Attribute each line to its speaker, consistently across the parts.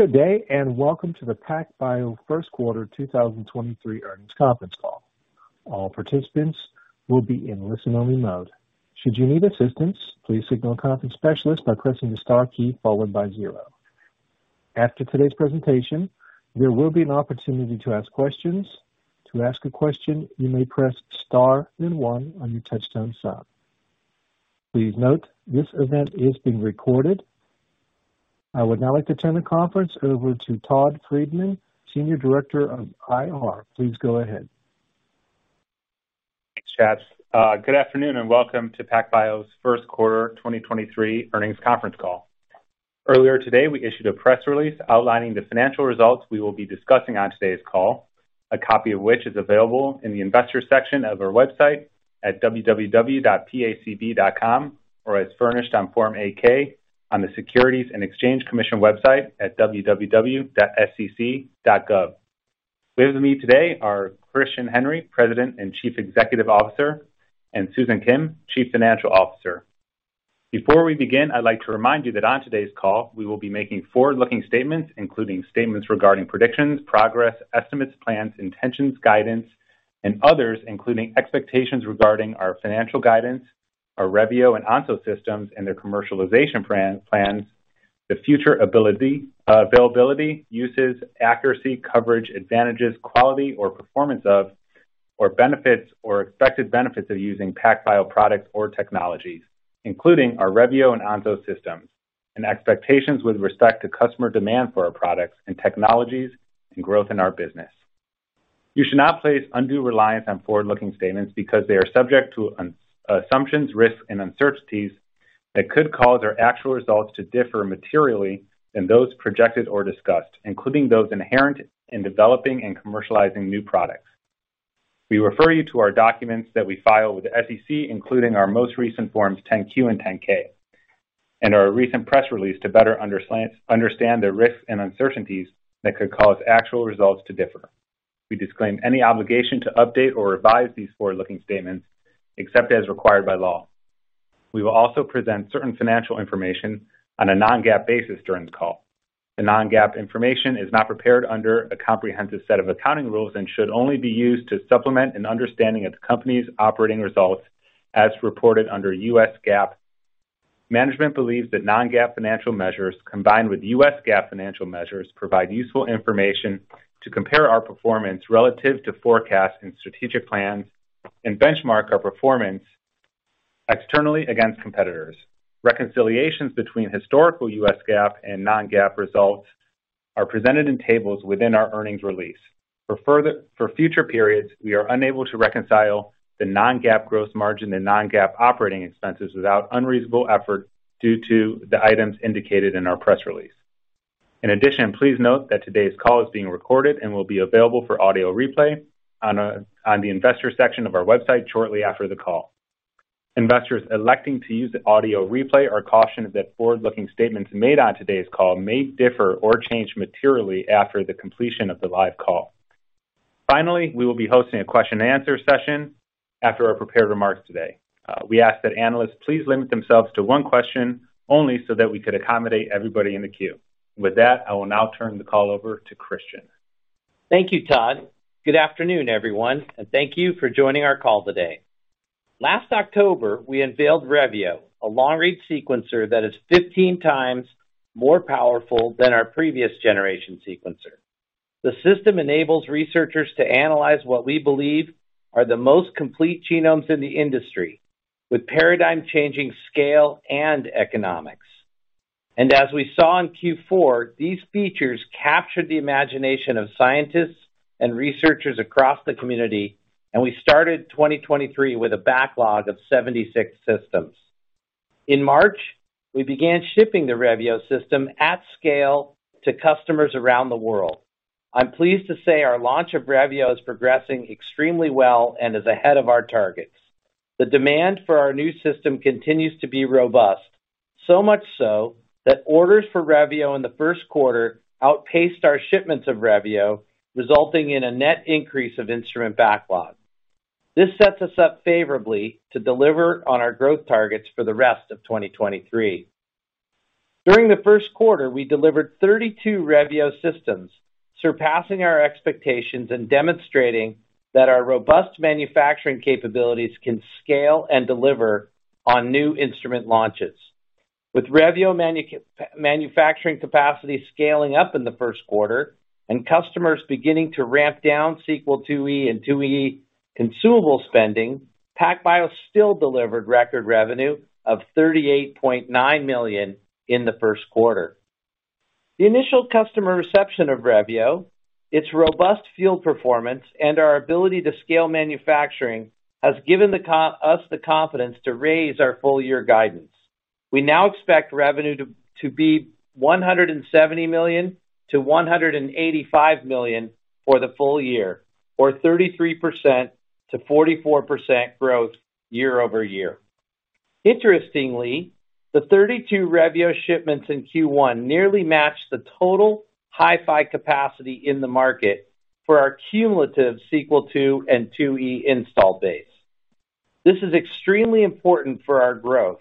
Speaker 1: Good day, welcome to the PacBio Q1 2023 earnings conference call. All participants will be in listen-only mode. Should you need assistance, please signal a conference specialist by pressing the star key followed by 0. After today's presentation, there will be an opportunity to ask questions. To ask a question, you may press Star then 1 on your touchtone cell. Please note, this event is being recorded. I will now like to turn the conference over to Todd Friedman, Senior Director of IR. Please go ahead.
Speaker 2: Thanks, Chaps. Good afternoon, welcome to PacBio's Q1 2023 earnings conference call. Earlier today, we issued a press release outlining the financial results we will be discussing on today's call, a copy of which is available in the investors section of our website at www.pacb.com, or as furnished on Form 8-K on the Securities and Exchange Commission website at www.sec.gov. With me today are Christian Henry, President and Chief Executive Officer, and Susan Kim, Chief Financial Officer. Before we begin, I'd like to remind you that on today's call, we will be making forward-looking statements, including statements regarding predictions, progress, estimates, plans, intentions, guidance, and others, including expectations regarding our financial guidance, our Revio and Onso systems and their commercialization plans, the future ability, availability, uses, accuracy, coverage, advantages, quality or performance of, or benefits or expected benefits of using PacBio products or technologies, including our Revio and Onso systems, and expectations with respect to customer demand for our products and technologies and growth in our business. You should not place undue reliance on forward-looking statements because they are subject to assumptions, risks, and uncertainties that could cause our actual results to differ materially than those projected or discussed, including those inherent in developing and commercializing new products. We refer you to our documents that we file with the SEC, including our most recent Forms 10-Q and 10-K, and our recent press release to better understand the risks and uncertainties that could cause actual results to differ. We disclaim any obligation to update or revise these forward-looking statements except as required by law. We will also present certain financial information on a non-GAAP basis during the call. The non-GAAP information is not prepared under a comprehensive set of accounting rules and should only be used to supplement an understanding of the company's operating results as reported under US GAAP. Management believes that non-GAAP financial measures, combined with US GAAP financial measures, provide useful information to compare our performance relative to forecasts and strategic plans and benchmark our performance externally against competitors. Reconciliations between historical US GAAP and non-GAAP results are presented in tables within our earnings release. For future periods, we are unable to reconcile the non-GAAP gross margin and non-GAAP operating expenses without unreasonable effort due to the items indicated in our press release. In addition, please note that today's call is being recorded and will be available for audio replay on the investor section of our website shortly after the call. Investors electing to use the audio replay are cautioned that forward-looking statements made on today's call may differ or change materially after the completion of the live call. Finally, we will be hosting a question and answer session after our prepared remarks today. We ask that analysts please limit themselves to one question only so that we could accommodate everybody in the queue. With that, I will now turn the call over to Christian.
Speaker 3: Thank you, Todd. Good afternoon, everyone, and thank you for joining our call today. Last October, we unveiled Revio, a long-read sequencer that is 15 times more powerful than our previous generation sequencer. The system enables researchers to analyze what we believe are the most complete genomes in the industry with paradigm-changing scale and economics. As we saw in Q4, these features captured the imagination of scientists and researchers across the community, and we started 2023 with a backlog of 76 systems. In March, we began shipping the Revio system at scale to customers around the world. I'm pleased to say our launch of Revio is progressing extremely well and is ahead of our targets. The demand for our new system continues to be robust, so much so that orders for Revio in the Q1 outpaced our shipments of Revio, resulting in a net increase of instrument backlog. This sets us up favorably to deliver on our growth targets for the rest of 2023. During the Q1, we delivered 32 Revio systems, surpassing our expectations and demonstrating that our robust manufacturing capabilities can scale and deliver on new instrument launches. With Revio manufacturing capacity scaling up in the Q1 and customers beginning to ramp down Sequel IIe and IIe consumable spending, PacBio still delivered record revenue of $38.9 million in the Q1. The initial customer reception of Revio, its robust field performance, and our ability to scale manufacturing has given us the confidence to raise our full year guidance. We now expect revenue to be $170 million-$185 million for the full year or 33%-44% growth quarter-over-quarter. Interestingly, the 32 Revio shipments in Q1 nearly matched the total HiFi capacity in the market for our cumulative Sequel II and IIe install base. This is extremely important for our growth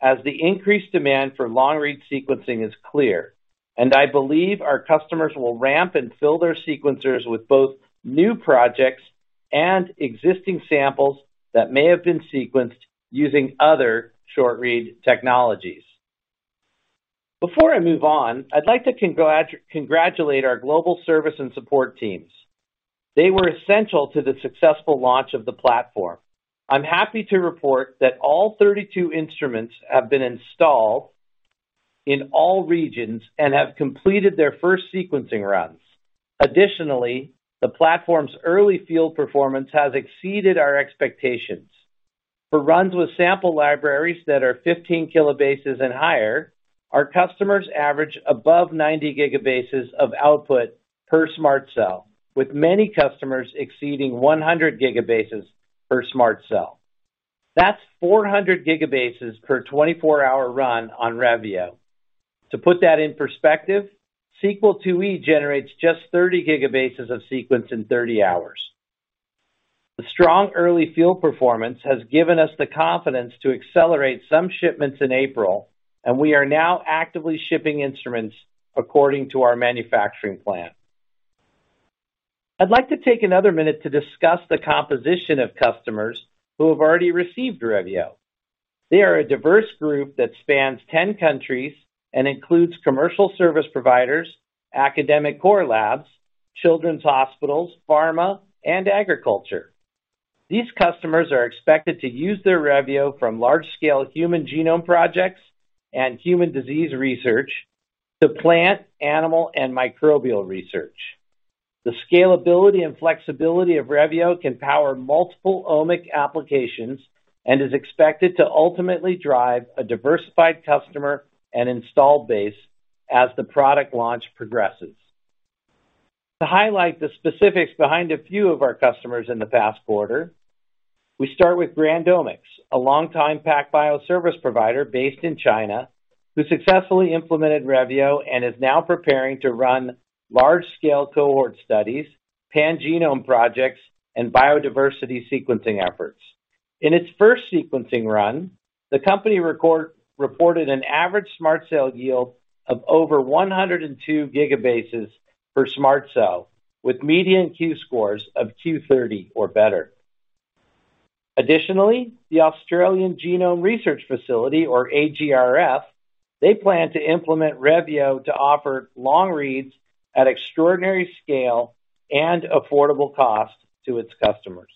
Speaker 3: as the increased demand for long-read sequencing is clear, and I believe our customers will ramp and fill their sequencers with both new projects and existing samples that may have been sequenced using other short-read technologies. Before I move on, I'd like to congratulate our global service and support teams. They were essential to the successful launch of the platform. I'm happy to report that all 32 instruments have been installed in all regions and have completed their first sequencing runs. Additionally, the platform's early field performance has exceeded our expectations. For runs with sample libraries that are 15 kilobases and higher, our customers average above 90 gigabases of output per SMRT Cell, with many customers exceeding 100 gigabases per SMRT Cell. That's 400 gigabases per 24-hour run on Revio. To put that in perspective, Sequel IIe generates just 30 gigabases of sequence in 30 hours. The strong early field performance has given us the confidence to accelerate some shipments in April, and we are now actively shipping instruments according to our manufacturing plan. I'd like to take another minute to discuss the composition of customers who have already received Revio. They are a diverse group that spans 10 countries and includes commercial service providers, academic core labs, children's hospitals, pharma, and agriculture. These customers are expected to use their Revio from large-scale human genome projects and human disease research to plant, animal, and microbial research. The scalability and flexibility of Revio can power multiple omic applications and is expected to ultimately drive a diversified customer and install base as the product launch progresses. To highlight the specifics behind a few of our customers in the past quarter, we start with GrandOmics, a longtime PacBio service provider based in China, who successfully implemented Revio and is now preparing to run large-scale cohort studies, pangenome projects, and biodiversity sequencing efforts. In its first sequencing run, the company reported an average SMRT Cell yield of over 102 GB per SMRT Cell, with median Q scores of Q30 or better. Additionally, the Australian Genome Research Facility, or AGRF, they plan to implement Revio to offer long reads at extraordinary scale and affordable cost to its customers.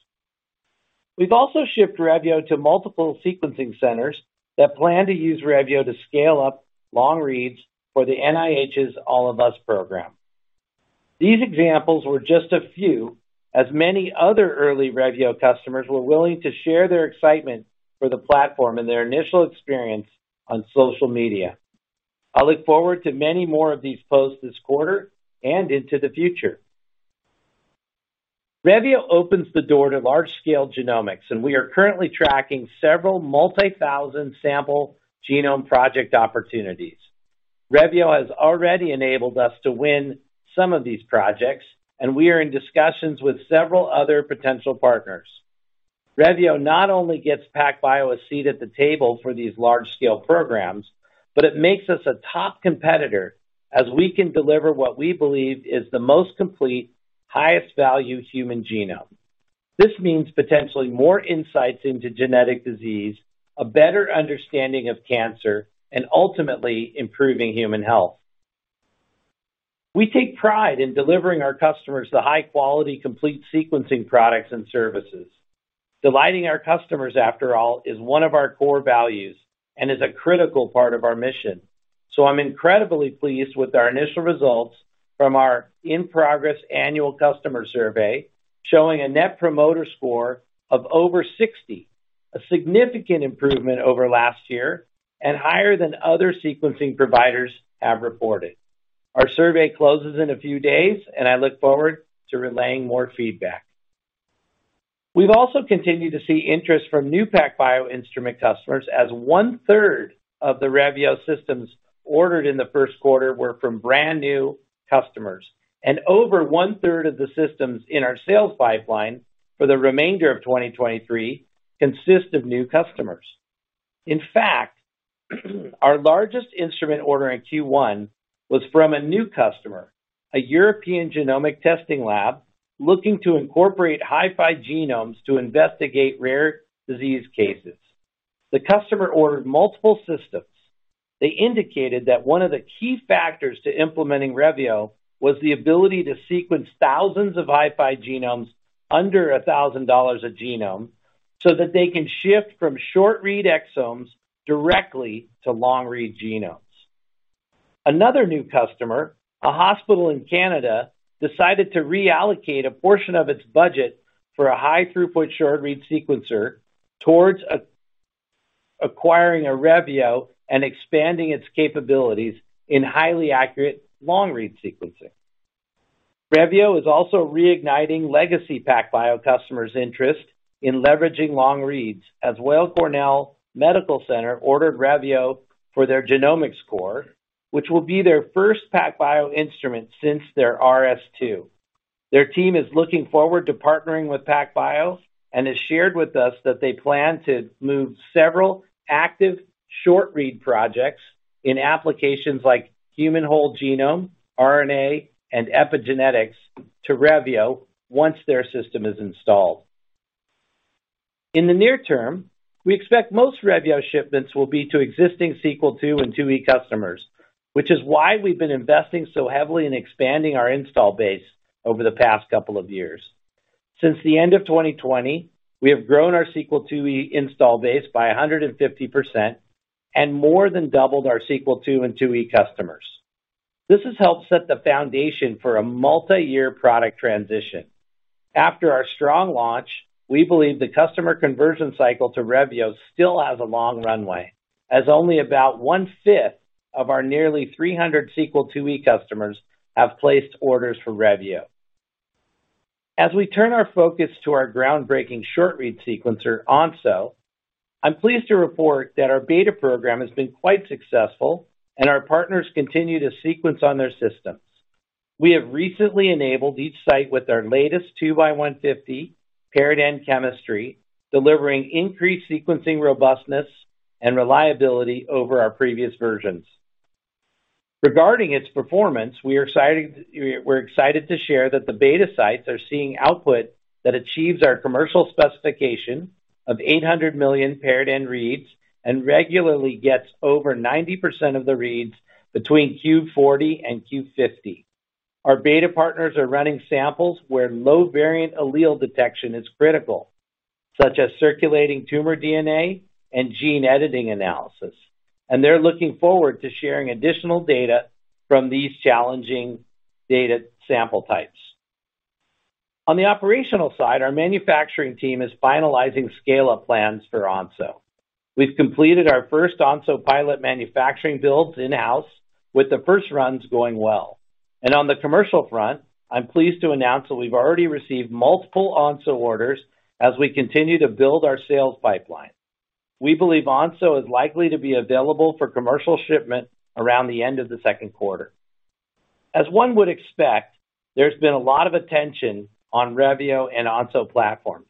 Speaker 3: We've also shipped Revio to multiple sequencing centers that plan to use Revio to scale up long reads for the NIH's All of Us program. These examples were just a few, as many other early Revio customers were willing to share their excitement for the platform and their initial experience on social media. I look forward to many more of these posts this quarter and into the future. Revio opens the door to large-scale genomics, and we are currently tracking several multi-thousand sample genome project opportunities. Revio has already enabled us to win some of these projects, and we are in discussions with several other potential partners. Revio not only gets PacBio a seat at the table for these large-scale programs, but it makes us a top competitor as we can deliver what we believe is the most complete, highest value human genome. This means potentially more insights into genetic disease, a better understanding of cancer, and ultimately improving human health. We take pride in delivering our customers the high-quality complete sequencing products and services. Delighting our customers, after all, is one of our core values and is a critical part of our mission. I'm incredibly pleased with our initial results from our in-progress annual customer survey, showing a Net Promoter Score of over 60, a significant improvement over last year and higher than other sequencing providers have reported. Our survey closes in a few days, and I look forward to relaying more feedback. We've also continued to see interest from new PacBio instrument customers as 1/3 of the Revio systems ordered in the 1st quarter were from brand-new customers, and over 1/3 of the systems in our sales pipeline for the remainder of 2023 consist of new customers. In fact, our largest instrument order in Q1 was from a new customer, a European genomic testing lab looking to incorporate HiFi genomes to investigate rare disease cases. The customer ordered multiple systems. They indicated that one of the key factors to implementing Revio was the ability to sequence thousands of HiFi genomes under $1,000 a genome so that they can shift from short-read exomes directly to long-read genomes. Another new customer, a hospital in Canada, decided to reallocate a portion of its budget for a high-throughput short-read sequencer towards acquiring a Revio and expanding its capabilities in highly accurate long-read sequencing. Revio is also reigniting legacy PacBio customers' interest in leveraging long reads, as Weill Cornell Medicine ordered Revio for their genomics core, which will be their first PacBio instrument since their RS II. Their team is looking forward to partnering with PacBio and has shared with us that they plan to move several active short-read projects in applications like human whole genome, RNA, and epigenetics to Revio once their system is installed. In the near term, we expect most Revio shipments will be to existing Sequel II and IIe customers, which is why we've been investing so heavily in expanding our install base over the past couple of years. Since the end of 2020, we have grown our Sequel IIe install base by 150% and more than doubled our Sequel II and IIe customers. This has helped set the foundation for a multi-year product transition. After our strong launch, we believe the customer conversion cycle to Revio still has a long runway, as only about 1/5 of our nearly 300 Sequel IIe customers have placed orders for Revio. As we turn our focus to our groundbreaking short-read sequencer, Onso, I'm pleased to report that our beta program has been quite successful, and our partners continue to sequence on their systems. We have recently enabled each site with our latest 2x150 paired-end chemistry, delivering increased sequencing robustness and reliability over our previous versions. Regarding its performance, we're excited to share that the beta sites are seeing output that achieves our commercial specification of 800 million paired-end reads and regularly gets over 90% of the reads between Q40 and Q50. Our beta partners are running samples where low variant allele detection is critical, such as circulating tumor DNA and gene editing analysis, and they're looking forward to sharing additional data from these challenging data sample types. On the operational side, our manufacturing team is finalizing scale-up plans for Onso. We've completed our first Onso pilot manufacturing builds in-house, with the first runs going well. On the commercial front, I'm pleased to announce that we've already received multiple Onso orders as we continue to build our sales pipeline. We believe Onso is likely to be available for commercial shipment around the end of the Q2. As one would expect, there's been a lot of attention on Revio and Onso platforms.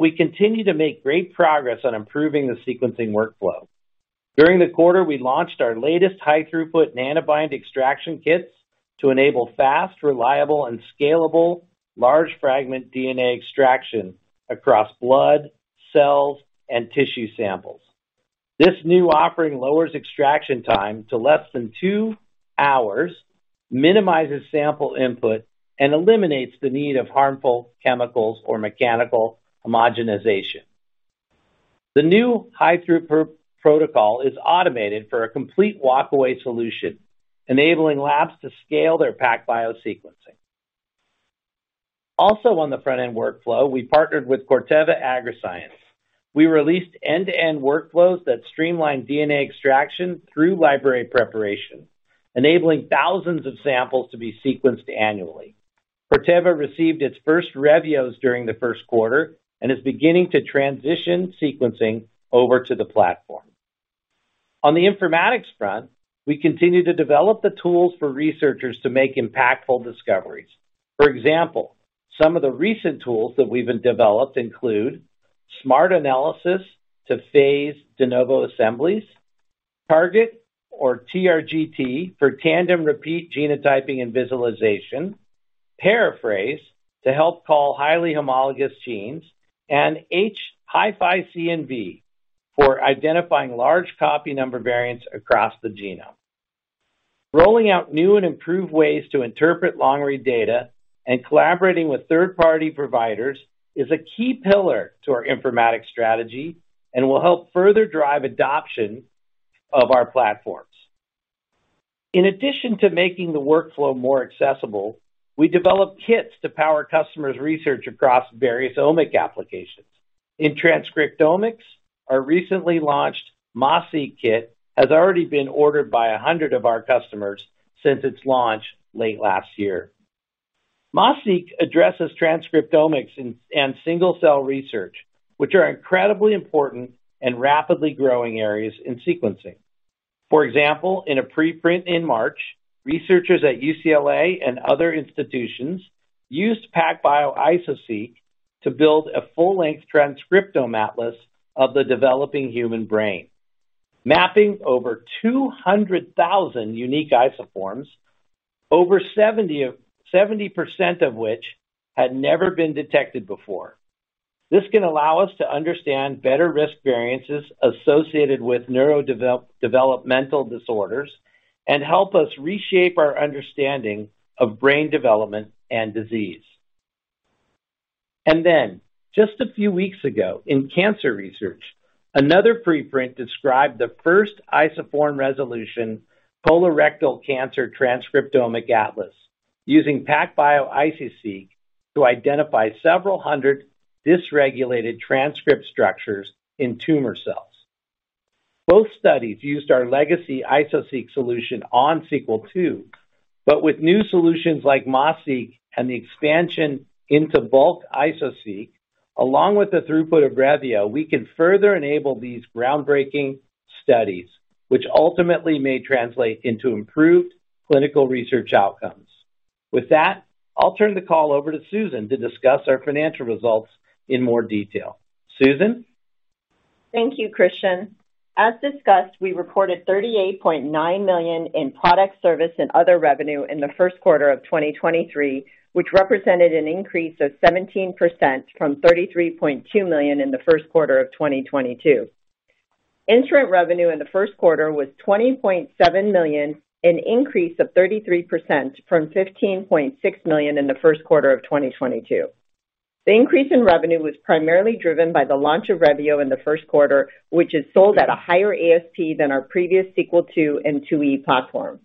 Speaker 3: We continue to make great progress on improving the sequencing workflow. During the quarter, we launched our latest high-throughput Nanobind extraction kits to enable fast, reliable, and scalable large fragment DNA extraction across blood, cells, and tissue samples. This new offering lowers extraction time to less than two hours, minimizes sample input, and eliminates the need of harmful chemicals or mechanical homogenization. The new high-throughput protocol is automated for a complete walkaway solution, enabling labs to scale their PacBio sequencing. On the front-end workflow, we partnered with Corteva Agriscience. We released end-to-end workflows that streamline DNA extraction through library preparation, enabling thousands of samples to be sequenced annually. Corteva received its first Revios during the Q1 and is beginning to transition sequencing over to the platform. On the informatics front, we continue to develop the tools for researchers to make impactful discoveries. For example, some of the recent tools that we've been developed include SMRT Analysis to phase de novo assemblies, Target or TRGT for tandem repeat genotyping and visualization, Paraphase to help call highly homologous genes, and HiFiCNV for identifying large copy number variants across the genome. Rolling out new and improved ways to interpret long-read data and collaborating with third-party providers is a key pillar to our informatics strategy and will help further drive adoption of our platforms. In addition to making the workflow more accessible, we develop kits to power customers' research across various omic applications. In transcriptomics, our recently launched MAS-Seq kit has already been ordered by 100 of our customers since its launch late last year. MAS-Seq addresses transcriptomics and single-cell research, which are incredibly important and rapidly growing areas in sequencing. For example, in a preprint in March, researchers at UCLA and other institutions used PacBio Iso-Seq to build a full-length transcriptome atlas of the developing human brain, mapping over 200,000 unique isoforms, over 70% of which had never been detected before. This can allow us to understand better risk variances associated with neurodevelopmental disorders and help us reshape our understanding of brain development and disease. Just a few weeks ago, in cancer research, another preprint described the first isoform resolution colorectal cancer transcriptomic atlas using PacBio Iso-Seq to identify several hundred dysregulated transcript structures in tumor cells. Both studies used our legacy Iso-Seq solution on Sequel II. With new solutions like MAS-Seq and the expansion into bulk Iso-Seq, along with the throughput of Revio, we can further enable these groundbreaking. Studies, which ultimately may translate into improved clinical research outcomes. With that, I'll turn the call over to Susan to discuss our financial results in more detail. Susan?
Speaker 4: Thank you, Christian. As discussed, we reported $38.9 million in product service and other revenue in the Q1 of 2023, which represented an increase of 17% from $33.2 million in the Q1 of 2022. Instrument revenue in the Q1 was $20.7 million, an increase of 33% from $15.6 million in the Q1 of 2022. The increase in revenue was primarily driven by the launch of Revio in the Q1, which is sold at a higher ASP than our previous Sequel II and IIe platforms.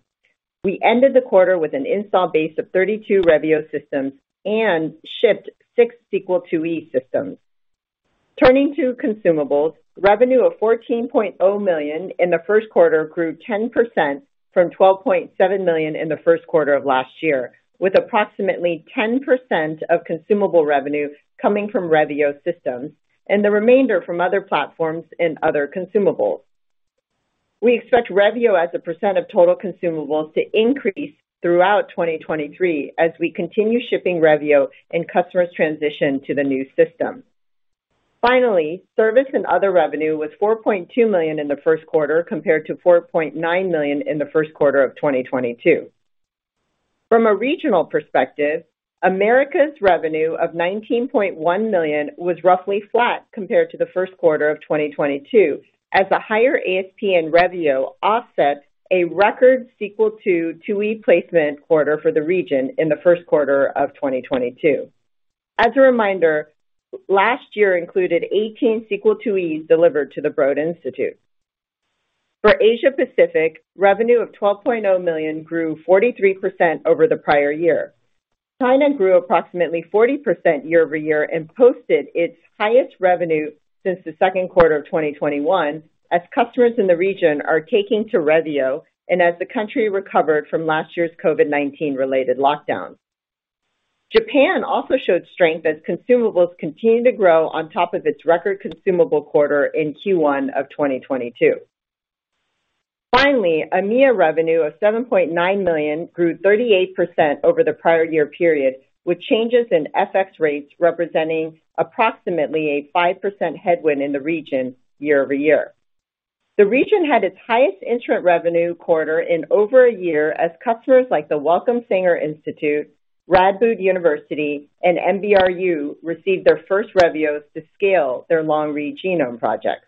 Speaker 4: We ended the quarter with an install base of 32 Revio systems and shipped 6 Sequel IIe systems. Turning to consumables, revenue of $14.0 million in the Q1 grew 10% from $12.7 million in the Q1 of last year, with approximately 10% of consumable revenue coming from Revio systems and the remainder from other platforms and other consumables. We expect Revio as a percent of total consumables to increase throughout 2023 as we continue shipping Revio and customers transition to the new system. Service and other revenue was $4.2 million in the Q1, compared to $4.9 million in the Q1 of 2022. From a regional perspective, America's revenue of $19.1 million was roughly flat compared to the Q1 of 2022, as the higher ASP in Revio offsets a record Sequel II, IIe placement quarter for the region in the Q1 of 2022. As a reminder, last year included 18 Sequel IIes delivered to the Broad Institute. For Asia Pacific, revenue of $12.0 million grew 43% over the prior-year. China grew approximately 40% quarter-over-quarter and posted its highest revenue since the Q2 of 2021, as customers in the region are taking to Revio and as the country recovered from last year's COVID-19 related lockdowns. Japan also showed strength as consumables continued to grow on top of its record consumable quarter in Q1 of 2022. Finally, EMEA revenue of $7.9 million grew 38% over the prior-year period, with changes in FX rates representing approximately a 5% headwind in the region quarter-over-quarter. The region had its highest instrument revenue quarter in over a year as customers like the Wellcome Sanger Institute, Radboud University and MBRU received their first Revios to scale their long-read genome projects.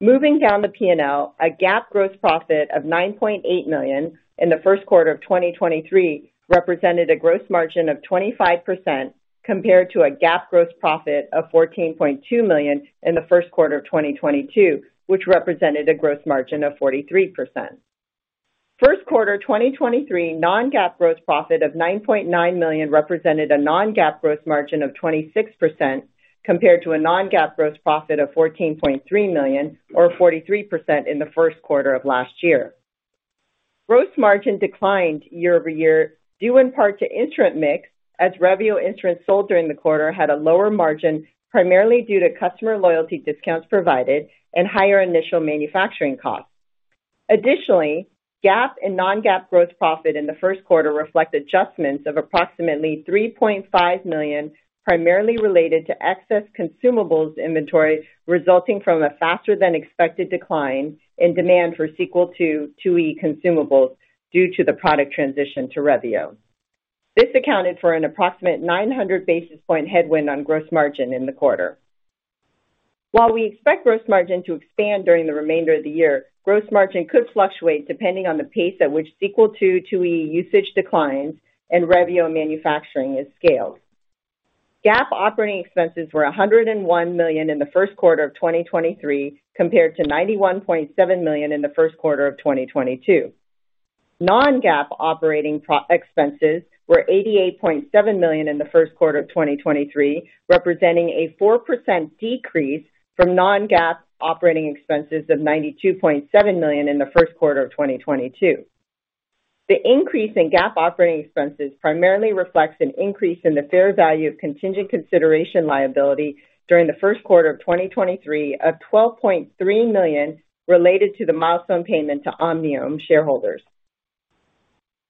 Speaker 4: Moving down the P&L, a GAAP gross profit of $9.8 million in the Q1 of 2023 represented a gross margin of 25% compared to a GAAP gross profit of $14.2 million in the Q1 of 2022, which represented a gross margin of 43%. First quarter 2023 non-GAAP gross profit of $9.9 million represented a non-GAAP gross margin of 26% compared to a non-GAAP gross profit of $14.3 million or 43% in the Q1 of last year. Gross margin declined quarter-over-quarter due in part to instrument mix, as Revio instruments sold during the quarter had a lower margin, primarily due to customer loyalty discounts provided and higher initial manufacturing costs. GAAP and non-GAAP growth profit in the Q1 reflect adjustments of approximately $3.5 million, primarily related to excess consumables inventory resulting from a faster than expected decline in demand for Sequel II, IIe consumables due to the product transition to Revio. This accounted for an approximate 900 basis point headwind on gross margin in the quarter. While we expect gross margin to expand during the remainder of the year, gross margin could fluctuate depending on the pace at which Sequel II, IIe usage declines and Revio manufacturing is scaled. GAAP operating expenses were $101 million in the Q1 of 2023, compared to $91.7 million in the Q1 of 2022. Non-GAAP operating expenses were $88.7 million in the Q1 of 2023, representing a 4% decrease from non-GAAP operating expenses of $92.7 million in the Q1 of 2022. The increase in GAAP operating expenses primarily reflects an increase in the fair value of contingent consideration liability during the Q1 of 2023 of $12.3 million related to the milestone payment to Omniome shareholders.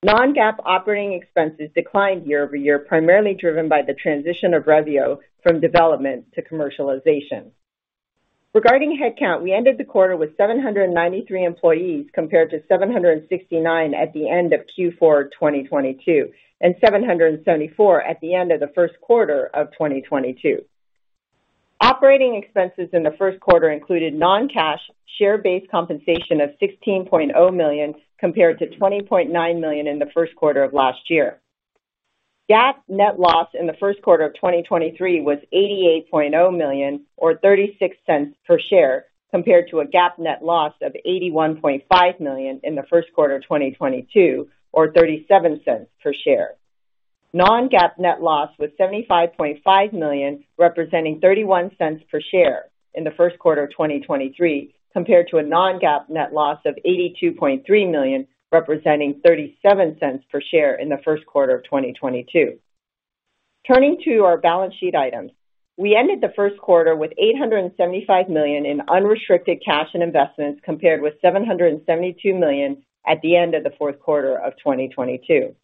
Speaker 4: Non-GAAP operating expenses declined quarter-over-quarter, primarily driven by the transition of Revio from development to commercialization. Regarding headcount, we ended the quarter with 793 employees, compared to 769 at the end of Q4 2022 and 774 at the end of the Q1 of 2022. Operating expenses in the Q1 included non-cash, share-based compensation of $16.0 million, compared to $20.9 million in the Q1 of last year. GAAP net loss in the Q1 of 2023 was $88.0 million or $0.36 per share, compared to a GAAP net loss of $81.5 million in the Q1 of 2022 or $0.37 per share. Non-GAAP net loss was $75.5 million, representing $0.31 per share in the Q1 of 2023, compared to a non-GAAP net loss of $82.3 million, representing $0.37 per share in the Q1 of 2022. Turning to our balance sheet items. We ended the Q1 with $875 million in unrestricted cash and investments, compared with $772 million at the end of the Q4 of 2022.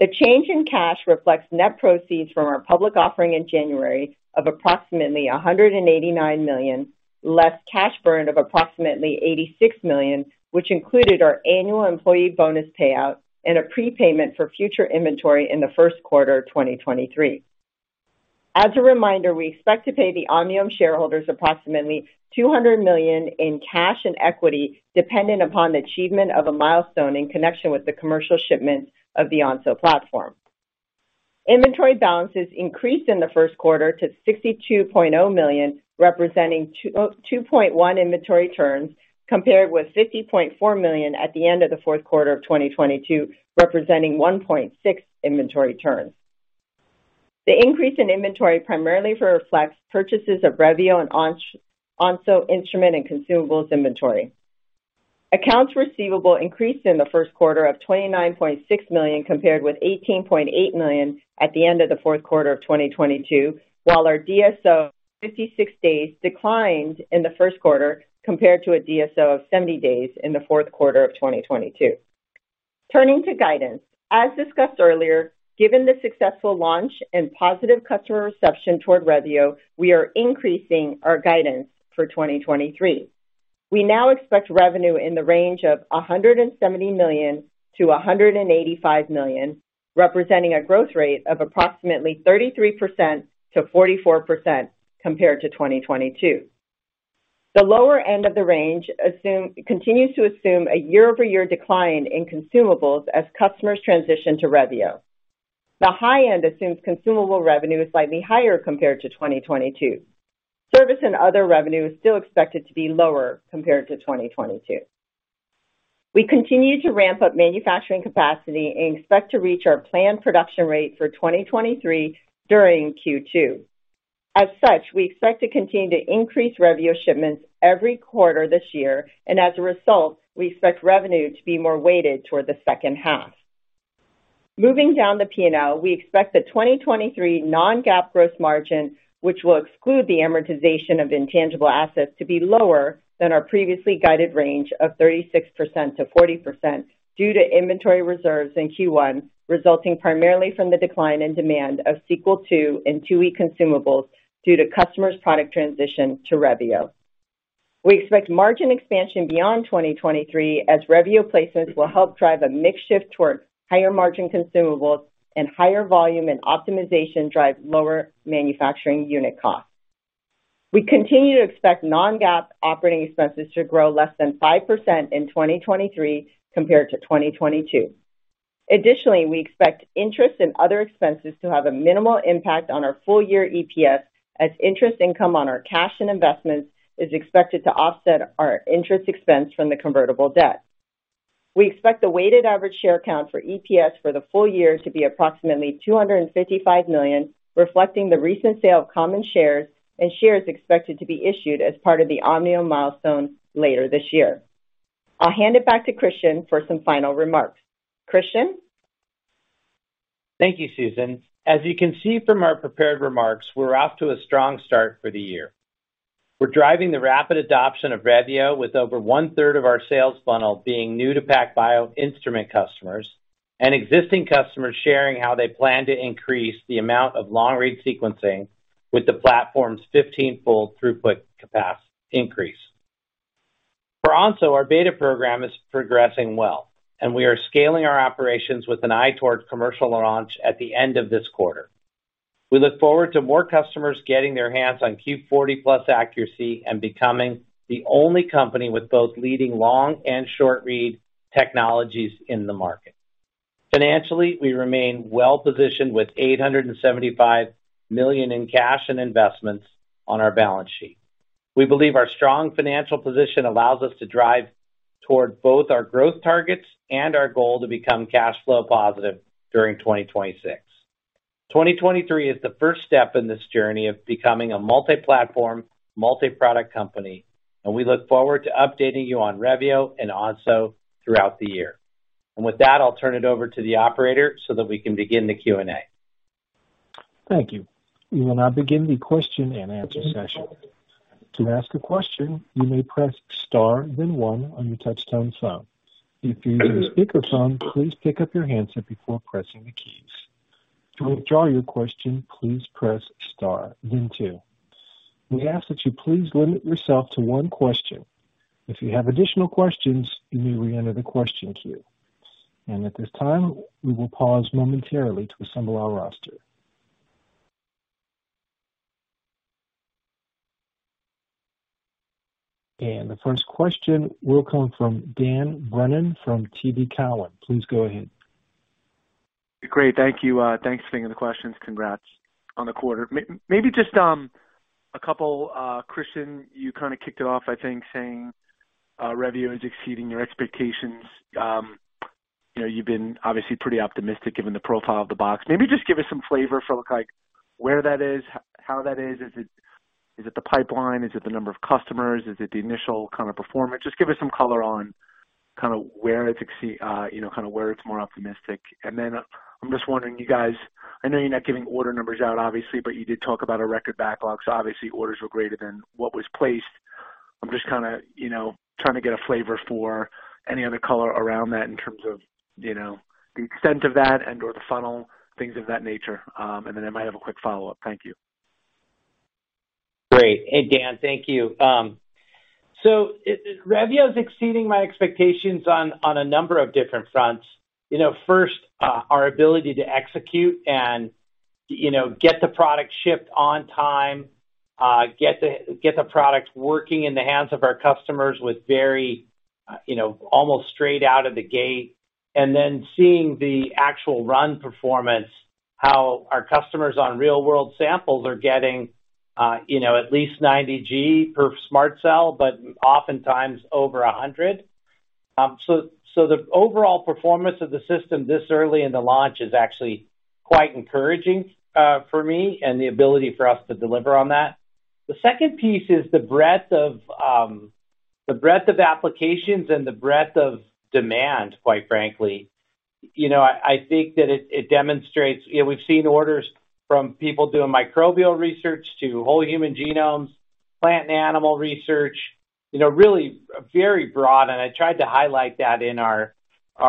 Speaker 4: The change in cash reflects net proceeds from our public offering in January of approximately $189 million, less cash burn of approximately $86 million, which included our annual employee bonus payout and a prepayment for future inventory in the Q1 of 2023. As a reminder, we expect to pay the Omniome shareholders approximately $200 million in cash and equity, dependent upon the achievement of a milestone in connection with the commercial shipments of the Onso platform. Inventory balances increased in the Q1 to $62.0 million, representing 2.1 inventory turns, compared with $50.4 million at the end of the Q4 of 2022, representing 1.6 inventory turns. The increase in inventory primarily reflects purchases of Revio and Onso instrument and consumables inventory. Accounts receivable increased in the Q1 of $29.6 million, compared with $18.8 million at the end of the Q4 of 2022, while our DSO, 56 days, declined in the Q1, compared to a DSO of 70 days in the Q4 of 2022. Turning to guidance. As discussed earlier, given the successful launch and positive customer reception toward Revio, we are increasing our guidance for 2023. We now expect revenue in the range of $170 million-$185 million, representing a growth rate of approximately 33%-44% compared to 2022. The lower end of the range continues to assume a quarter-over-quarter decline in consumables as customers transition to Revio. The high end assumes consumable revenue is slightly higher compared to 2022. Service and other revenue is still expected to be lower compared to 2022. We continue to ramp up manufacturing capacity and expect to reach our planned production rate for 2023 during Q2. As such, we expect to continue to increase Revio shipments every quarter this year, and as a result, we expect revenue to be more weighted toward the H2. Moving down the P&L, we expect the 2023 non-GAAP gross margin, which will exclude the amortization of intangible assets, to be lower than our previously guided range of 36%-40% due to inventory reserves in Q1, resulting primarily from the decline in demand of Sequel II and IIe consumables due to customers' product transition to Revio. We expect margin expansion beyond 2023 as Revio placements will help drive a mix shift towards higher margin consumables and higher volume and optimization drive lower manufacturing unit costs. We continue to expect non-GAAP operating expenses to grow less than 5% in 2023 compared to 2022. Additionally, we expect interest in other expenses to have a minimal impact on our full year EPS, as interest income on our cash and investments is expected to offset our interest expense from the convertible debt. We expect the weighted average share count for EPS for the full year to be approximately 255 million, reflecting the recent sale of common shares and shares expected to be issued as part of the Omniome milestone later this year. I'll hand it back to Christian for some final remarks. Christian?
Speaker 3: Thank you, Susan. As you can see from our prepared remarks, we're off to a strong start for the year. We're driving the rapid adoption of Revio with over one-third of our sales funnel being new-to-PacBio instrument customers and existing customers sharing how they plan to increase the amount of long-read sequencing with the platform's 15x throughput increase. For Onso, our beta program is progressing well, and we are scaling our operations with an eye toward commercial launch at the end of this quarter. We look forward to more customers getting their hands on Q40-plus accuracy and becoming the only company with both leading long and short-read technologies in the market. Financially, we remain well positioned with $875 million in cash and investments on our balance sheet. We believe our strong financial position allows us to drive toward both our growth targets and our goal to become cash flow positive during 2026. 2023 is the first step in this journey of becoming a multi-platform, multi-product company. We look forward to updating you on Revio and Onso throughout the year. With that, I'll turn it over to the operator so that we can begin the Q&A.
Speaker 1: Thank you. We will now begin the question and answer session. To ask a question, you may press star then one on your touch-tone phone. If you're on a speakerphone, please pick up your handset before pressing the keys. To withdraw your question, please press star then two. We ask that you please limit yourself to one question. If you have additional questions, you may re-enter the question queue. At this time, we will pause momentarily to assemble our roster. The first question will come from Dan Brennan from TD Cowen. Please go ahead.
Speaker 5: Great. Thank you. Thanks for taking the questions. Congrats on the quarter. Maybe just a couple, Christian, you kind of kicked it off, I think, saying, Revio is exceeding your expectations. You know, you've been obviously pretty optimistic given the profile of the box. Maybe just give us some flavor for, like, where that is, how that is. Is it Is it the pipeline? Is it the number of customers? Is it the initial kind of performance? Just give us some color on kind of where it, you know, kind of where it's more optimistic. I'm just wondering, you guys, I know you're not giving order numbers out, obviously, but you did talk about a record backlog, so obviously orders were greater than what was placed. I'm just kind of, you know, trying to get a flavor for any other color around that in terms of, you know, the extent of that and/or the funnel, things of that nature. I might have a quick follow-up. Thank you.
Speaker 3: Great. Hey, Dan. Thank you. Revio is exceeding my expectations on a number of different fronts. You know, first, our ability to execute and, you know, get the product shipped on time, get the product working in the hands of our customers with very, you know, almost straight out of the gate, and then seeing the actual run performance, how our customers on real-world samples are getting, you know, at least 90 G per SMRT Cell, but oftentimes over 100. The overall performance of the system this early in the launch is actually quite encouraging for me and the ability for us to deliver on that. The second piece is the breadth of applications and the breadth of demand, quite frankly. You know, I think that it demonstrates, you know, we've seen orders from people doing microbial research to whole human genomes, plant and animal research, you know, really very broad, and I tried to highlight that in our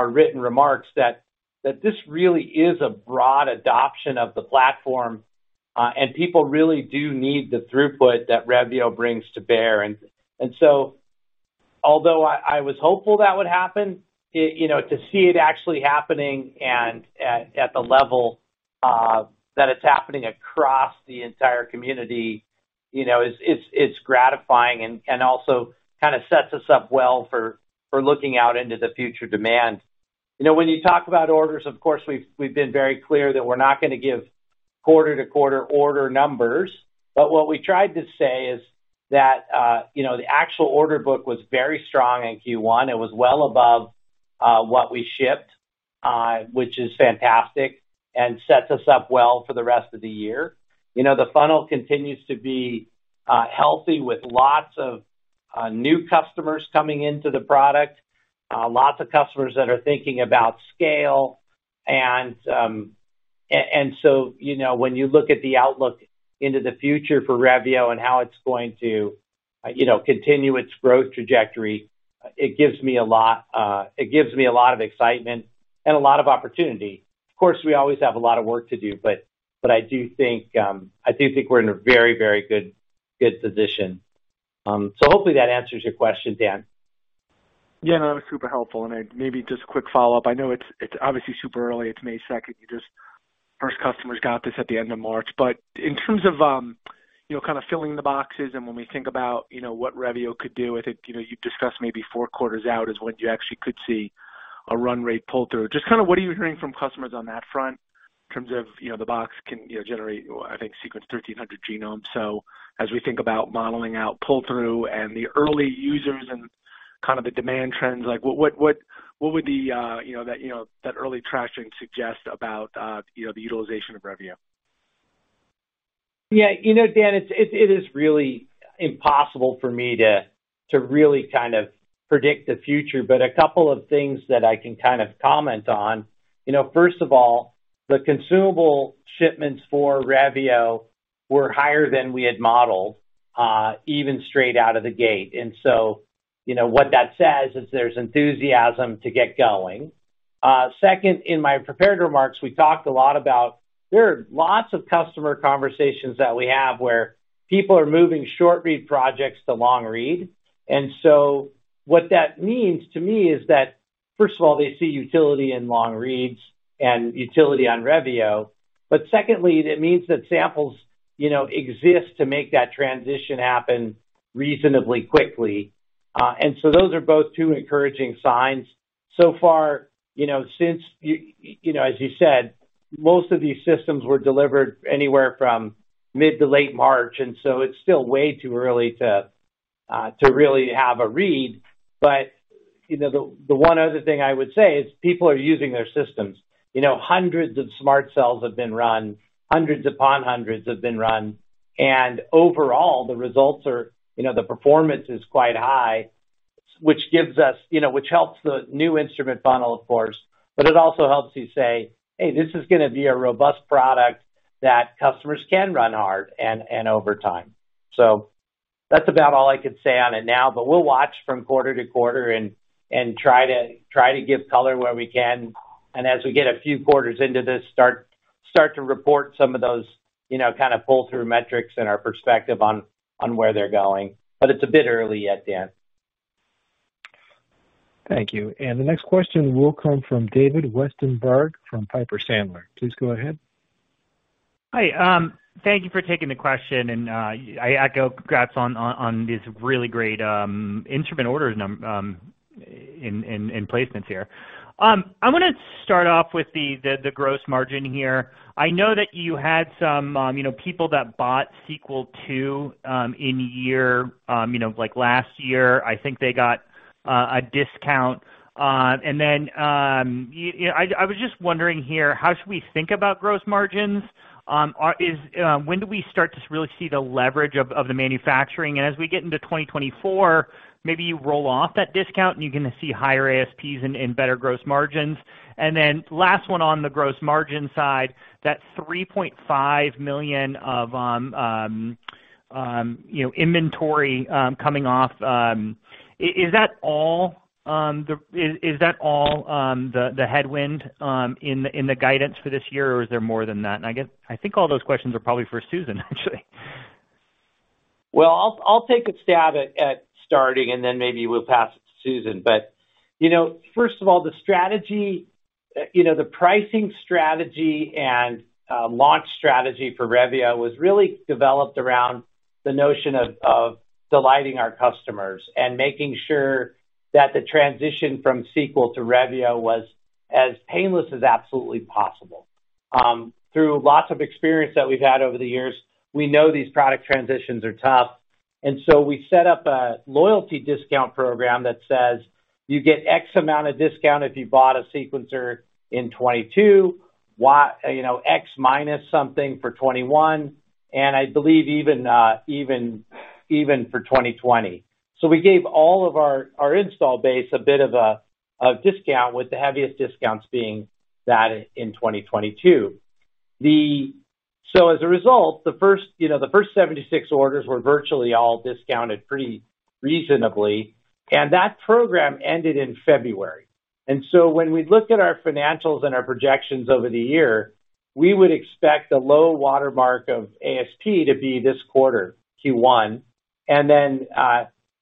Speaker 3: written remarks that this really is a broad adoption of the platform. People really do need the throughput that Revio brings to bear. Although I was hopeful that would happen, it, you know, to see it actually happening and at the level that it's happening across the entire community, you know, it's gratifying and also kind of sets us up well for looking out into the future demand. You know, when you talk about orders, of course, we've been very clear that we're not gonna give quarter-to-quarter order numbers. What we tried to say is that, you know, the actual order book was very strong in Q1. It was well above what we shipped, which is fantastic and sets us up well for the rest of the year. You know, the funnel continues to be healthy with lots of new customers coming into the product, lots of customers that are thinking about scale. So, you know, when you look at the outlook into the future for Revio and how it's going to, you know, continue its growth trajectory, it gives me a lot, it gives me a lot of excitement and a lot of opportunity. Of course, we always have a lot of work to do, but I do think, I do think we're in a very good position. Hopefully that answers your question, Dan.
Speaker 5: Yeah, no, that was super helpful. Maybe just a quick follow-up. I know it's obviously super early. It's May second. First customers got this at the end of March. In terms of, you know, kind of filling the boxes and when we think about, you know, what Revio could do, I think, you know, you've discussed maybe four quarters out is when you actually could see a run rate pull-through. Just kind of what are you hearing from customers on that front in terms of, you know, the box can, you know, generate, I think, sequence 1,300 genomes. As we think about modeling out pull-through and the early users and kind of the demand trends, like what would the, you know, that, you know, that early traction suggest about, you know, the utilization of Revio?
Speaker 3: Yeah. You know, Dan, it is really impossible for me to really kind of predict the future, but a couple of things that I can kind of comment on. You know, first of all, the consumable shipments for Revio were higher than we had modeled, even straight out of the gate. You know, what that says is there's enthusiasm to get going. Second, in my prepared remarks, we talked a lot about there are lots of customer conversations that we have where people are moving short read projects to long read. What that means to me is that, first of all, they see utility in long reads and utility on Revio, but secondly, it means that samples, you know, exist to make that transition happen reasonably quickly. Those are both two encouraging signs. So far, you know, since you know, as you said, most of these systems were delivered anywhere from mid to late March. It's still way too early to really have a read. You know, the one other thing I would say is people are using their systems. You know, hundreds of SMRT Cells have been run, hundreds upon hundreds have been run, overall, the results are, you know, the performance is quite high, which gives us, you know, which helps the new instrument funnel, of course, but it also helps you say, "Hey, this is gonna be a robust product that customers can run hard and over time." That's about all I could say on it now, we'll watch from quarter to quarter and try to give color where we can, as we get a few quarters into this, start to report some of those, you know, kind of pull-through metrics and our perspective on where they're going. It's a bit early yet, Dan.
Speaker 1: Thank you. The next question will come from David Westenberg from Piper Sandler. Please go ahead.
Speaker 6: Hi, thank you for taking the question and I echo congrats on these really great instrument orders placements here. I'm gonna start off with the gross margin here. I know that you had some, you know, people that bought Sequel II last year, I think they got a discount. Then, you know, I was just wondering here, how should we think about gross margins? When do we start to really see the leverage of the manufacturing? As we get into 2024, maybe you roll off that discount and you're gonna see higher ASPs and better gross margins. Last one on the gross margin side, that $3.5 million of, you know, inventory coming off, is that all the headwind in the guidance for this year, or is there more than that? I guess, I think all those questions are probably for Susan, actually.
Speaker 3: I'll take a stab at starting, maybe we'll pass it to Susan. You know, first of all, the strategy, you know, the pricing strategy and launch strategy for Revio was really developed around the notion of delighting our customers and making sure that the transition from Sequel to Revio was as painless as absolutely possible. Through lots of experience that we've had over the years, we know these product transitions are tough, we set up a loyalty discount program that says, "You get X amount of discount if you bought a sequencer in 2022, you know, X minus something for 2021, and I believe even for 2020." We gave all of our install base a bit of a discount, with the heaviest discounts being that in 2022. As a result, the first, you know, the first 76 orders were virtually all discounted pretty reasonably, and that program ended in February. When we look at our financials and our projections over the year, we would expect the low watermark of ASP to be this quarter, Q1. Then,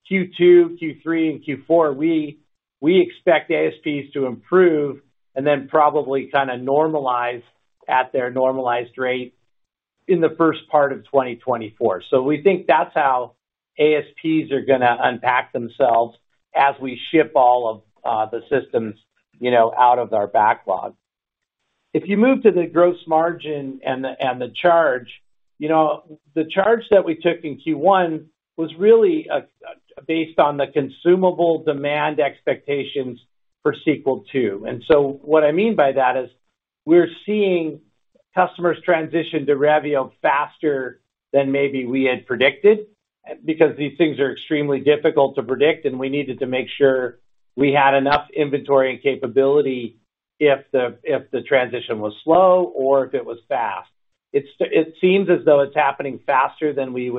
Speaker 3: Q2, Q3, and Q4, we expect ASPs to improve and then probably kinda normalize at their normalized rate in the first part of 2024. We think that's how ASPs are gonna unpack themselves as we ship all of the systems, you know, out of our backlog. If you move to the gross margin and the charge, you know, the charge that we took in Q1 was really based on the consumable demand expectations for Sequel II. What I mean by that is we're seeing customers transition to Revio faster than maybe we had predicted, because these things are extremely difficult to predict, and we needed to make sure we had enough inventory and capability if the transition was slow or if it was fast. It seems as though it's happening faster than we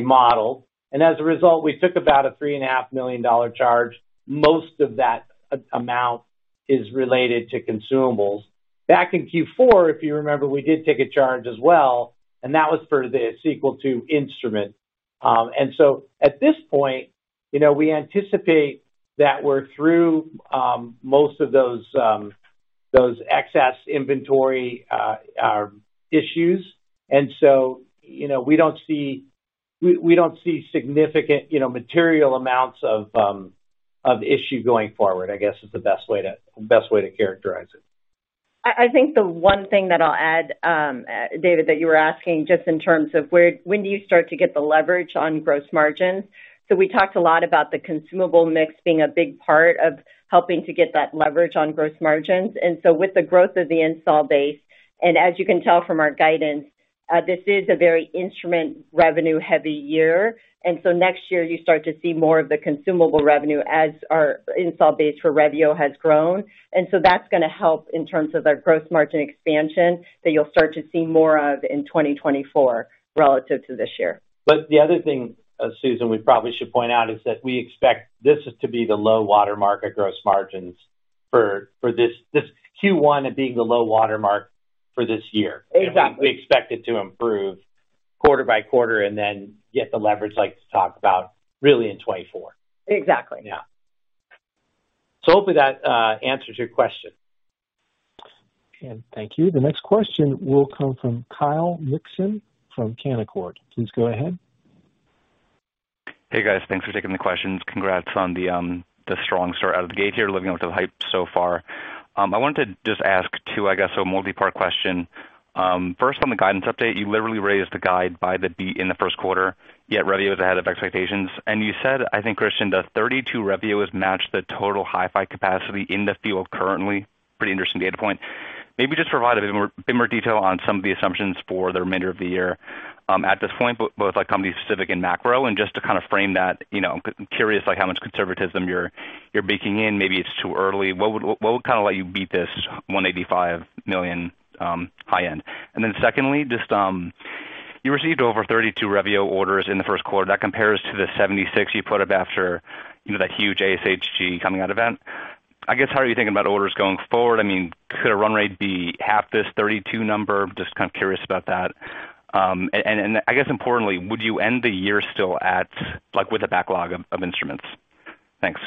Speaker 3: modeled, and as a result, we took about a $3.5 million charge. Most of that amount is related to consumables. Back in Q4, if you remember, we did take a charge as well, and that was for the Sequel II instrument. At this point, you know, we anticipate that we're through most of those those excess inventory issues. You know, we don't see significant, you know, material amounts of issue going forward, I guess is the best way to characterize it.
Speaker 4: I think the one thing that I'll add, David, that you were asking just in terms of when do you start to get the leverage on gross margins. We talked a lot about the consumable mix being a big part of helping to get that leverage on gross margins. With the growth of the install base, and as you can tell from our guidance, this is a very instrument revenue-heavy year. Next year, you start to see more of the consumable revenue as our install base for Revio has grown. That's gonna help in terms of our gross margin expansion that you'll start to see more of in 2024 relative to this year.
Speaker 3: The other thing, Susan, we probably should point out, is that we expect this is to be the low water mark at gross margins for this Q1 at being the low water mark for this year.
Speaker 4: Exactly.
Speaker 3: We expect it to improve quarter by quarter and then get the leverage like to talk about really in 2024.
Speaker 4: Exactly.
Speaker 3: Yeah. Hopefully that answers your question.
Speaker 1: Thank you. The next question will come from Kyle Mikson from Canaccord. Please go ahead.
Speaker 7: Hey, guys. Thanks for taking the questions. Congrats on the strong start out of the gate here, living up to the hype so far. I wanted to just ask two, I guess, so multi-part question. First, on the guidance update, you literally raised the guide by the beat in the Q1, yet Revio is ahead of expectations. You said, I think, Christian, that 32 Revios match the total HiFi capacity in the field currently. Pretty interesting data point. Maybe just provide a bit more detail on some of the assumptions for the remainder of the year, at this point, both like company specific and macro, and just to kind of frame that, you know, curious like how much conservatism you're baking in. Maybe it's too early. What would kinda let you beat this $185 million high end? Secondly, just, you received over 32 Revio orders in the Q1. That compares to the 76 you put up after, you know, that huge ASHG coming out event. I guess, how are you thinking about orders going forward? I mean, could a run rate be half this 32 number? Just kind of curious about that. And I guess importantly, would you end the year still at, like with a backlog of instruments? Thanks.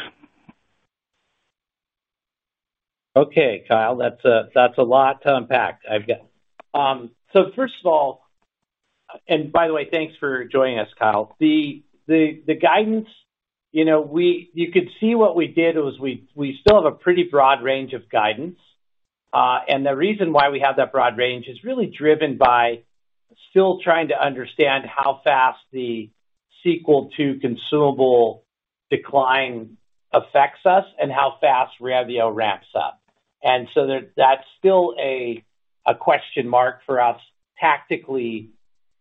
Speaker 3: Okay, Kyle, that's a lot to unpack. I've got, first of all, and by the way, thanks for joining us, Kyle. The guidance, you know, you could see what we did was we still have a pretty broad range of guidance. The reason why we have that broad range is really driven by still trying to understand how fast the Sequel II consumable decline affects us and how fast Revio ramps up. That's still a question mark for us tactically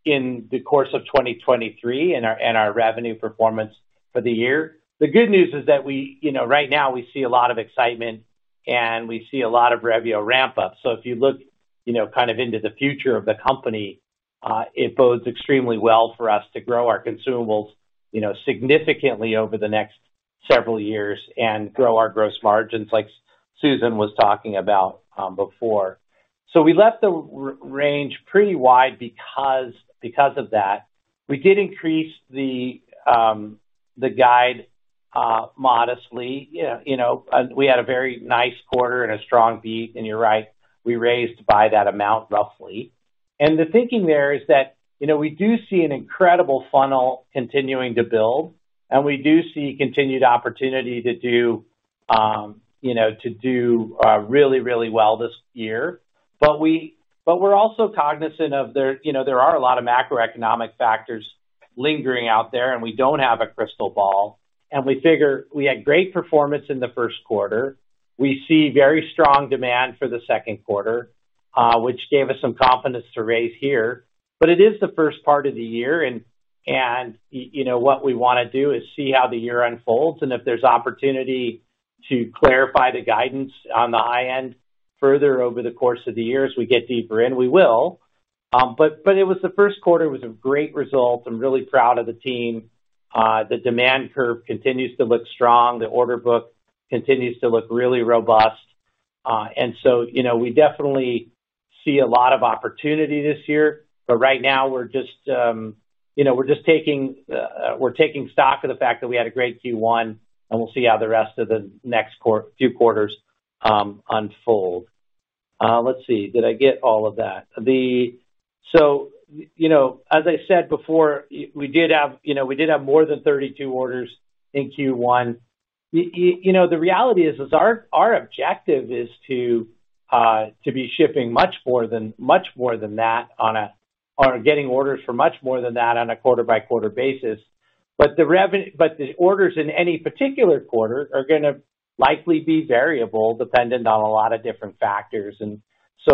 Speaker 3: in the course of 2023 and our revenue performance for the year. The good news is that we, you know, right now we see a lot of excitement, and we see a lot of Revio ramp up. If you look, you know, kind of into the future of the company, it bodes extremely well for us to grow our consumables, you know, significantly over the next several years and grow our gross margins like Susan was talking about before. We left the range pretty wide because of that. We did increase the guide modestly. You know, we had a very nice quarter and a strong beat, and you're right, we raised by that amount roughly. The thinking there is that, you know, we do see an incredible funnel continuing to build, and we do see continued opportunity to do, you know, to do really, really well this year. We're also cognizant of there, you know, there are a lot of macroeconomic factors lingering out there, and we don't have a crystal ball, and we figure we had great performance in the Q1. We see very strong demand for the Q2, which gave us some confidence to raise here. It is the first part of the year and, you know, what we wanna do is see how the year unfolds, and if there's opportunity to clarify the guidance on the high end further over the course of the year as we get deeper in, we will. It was the Q1 was a great result. I'm really proud of the team. The demand curve continues to look strong. The order book continues to look really robust. You know, we definitely see a lot of opportunity this year. Right now we're just, you know, we're just taking, we're taking stock of the fact that we had a great Q1, and we'll see how the rest of the next few quarters unfold. Let's see. Did I get all of that? You know, as I said before, we did have, you know, we did have more than 32 orders in Q1. You know, the reality is our objective is to be shipping much more than, much more than that on a, on getting orders for much more than that on a quarter-by-quarter basis. The orders in any particular quarter are gonna likely be variable dependent on a lot of different factors.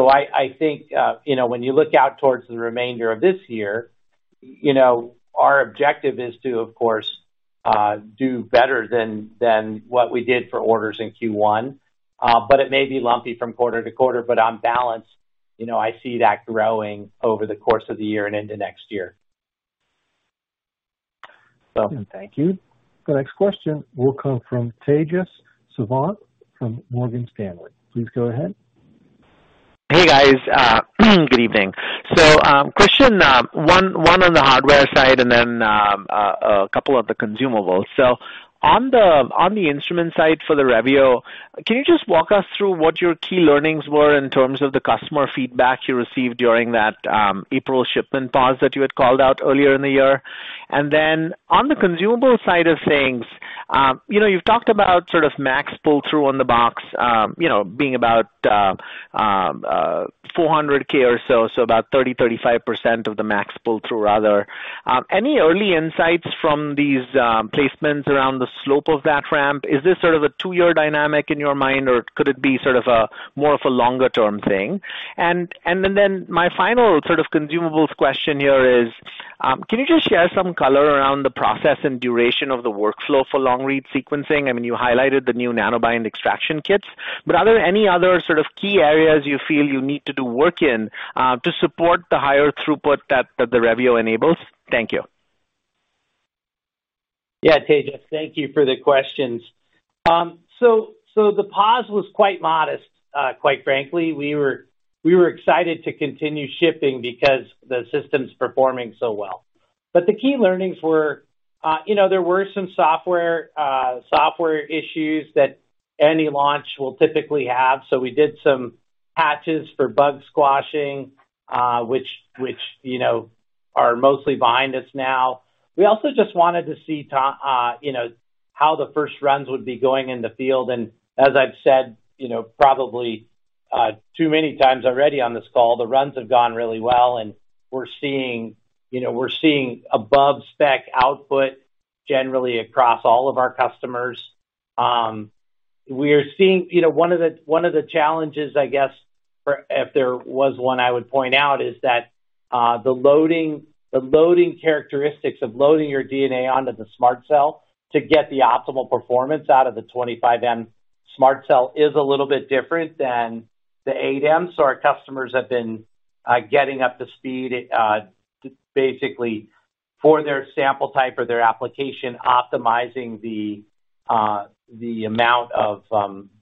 Speaker 3: I think, you know, when you look out towards the remainder of this year, you know, our objective is to, of course, do better than what we did for orders in Q1. It may be lumpy from quarter to quarter, but on balance, you know, I see that growing over the course of the year and into next year.
Speaker 1: Thank you. The next question will come from Tejas Savant from Morgan Stanley. Please go ahead.
Speaker 8: Hey, guys. good evening. question, one on the hardware side and then a couple on the consumables. on the instrument side for the Revio, can you just walk us through what your key learnings were in terms of the customer feedback you received during that April shipment pause that you had called out earlier in the year? on the consumable side of things, you know, you've talked about sort of max pull-through on the box, you know, being about 400K or so about 30%-35% of the max pull-through rather. any early insights from these placements around the slope of that ramp? Is this sort of a two-year dynamic in your mind, or could it be sort of a more of a longer term thing? My final sort of consumables question here is, can you just share some color around the process and duration of the workflow for long-read sequencing? I mean, you highlighted the new Nanobind extraction kits. Are there any other sort of key areas you feel you need to do work in to support the higher throughput that the Revio enables? Thank you.
Speaker 3: Yeah. Tejas, thank you for the questions. The pause was quite modest, quite frankly. We were excited to continue shipping because the system's performing so well. The key learnings were, you know, there were some software issues that any launch will typically have. We did some patches for bug squashing, which, you know, are mostly behind us now. We also just wanted to see how the first runs would be going in the field. As I've said, you know, probably too many times already on this call, the runs have gone really well and we're seeing, you know, we're seeing above spec output generally across all of our customers. We are seeing... You know, one of the challenges, I guess, for if there was one I would point out, is that the loading characteristics of loading your DNA onto the SMRT Cell to get the optimal performance out of the 25M SMRT Cell is a little bit different than the 8M. Our customers have been getting up to speed basically for their sample type or their application, optimizing the amount of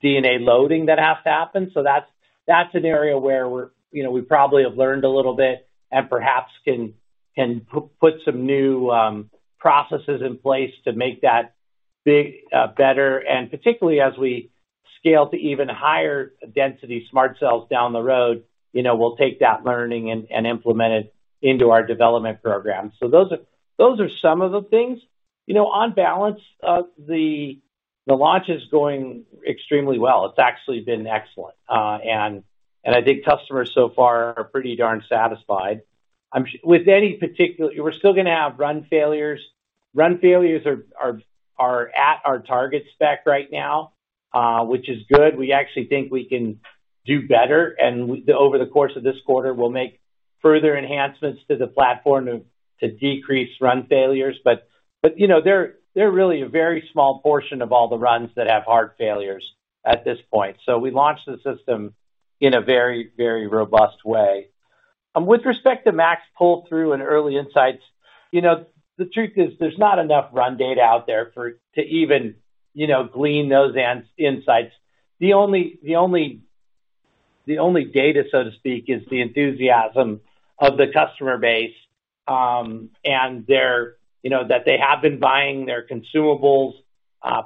Speaker 3: DNA loading that has to happen. That's an area where we're, you know, we probably have learned a little bit and perhaps put some new processes in place to make that big better. Particularly as we scale to even higher density SMRT Cells down the road, you know, we'll take that learning and implement it into our development program. Those are some of the things. You know, on balance of the launch is going extremely well. It's actually been excellent. I think customers so far are pretty darn satisfied. We're still gonna have run failures. Run failures are at our target spec right now, which is good. We actually think we can do better and over the course of this quarter, we'll make further enhancements to the platform to decrease run failures. You know, they're really a very small portion of all the runs that have hard failures at this point. We launched the system in a very robust way. With respect to max pull-through and early insights, you know, the truth is there's not enough run data out there for, to even, you know, glean those insights. The only data, so to speak, is the enthusiasm of the customer base, and their, you know, that they have been buying their consumables,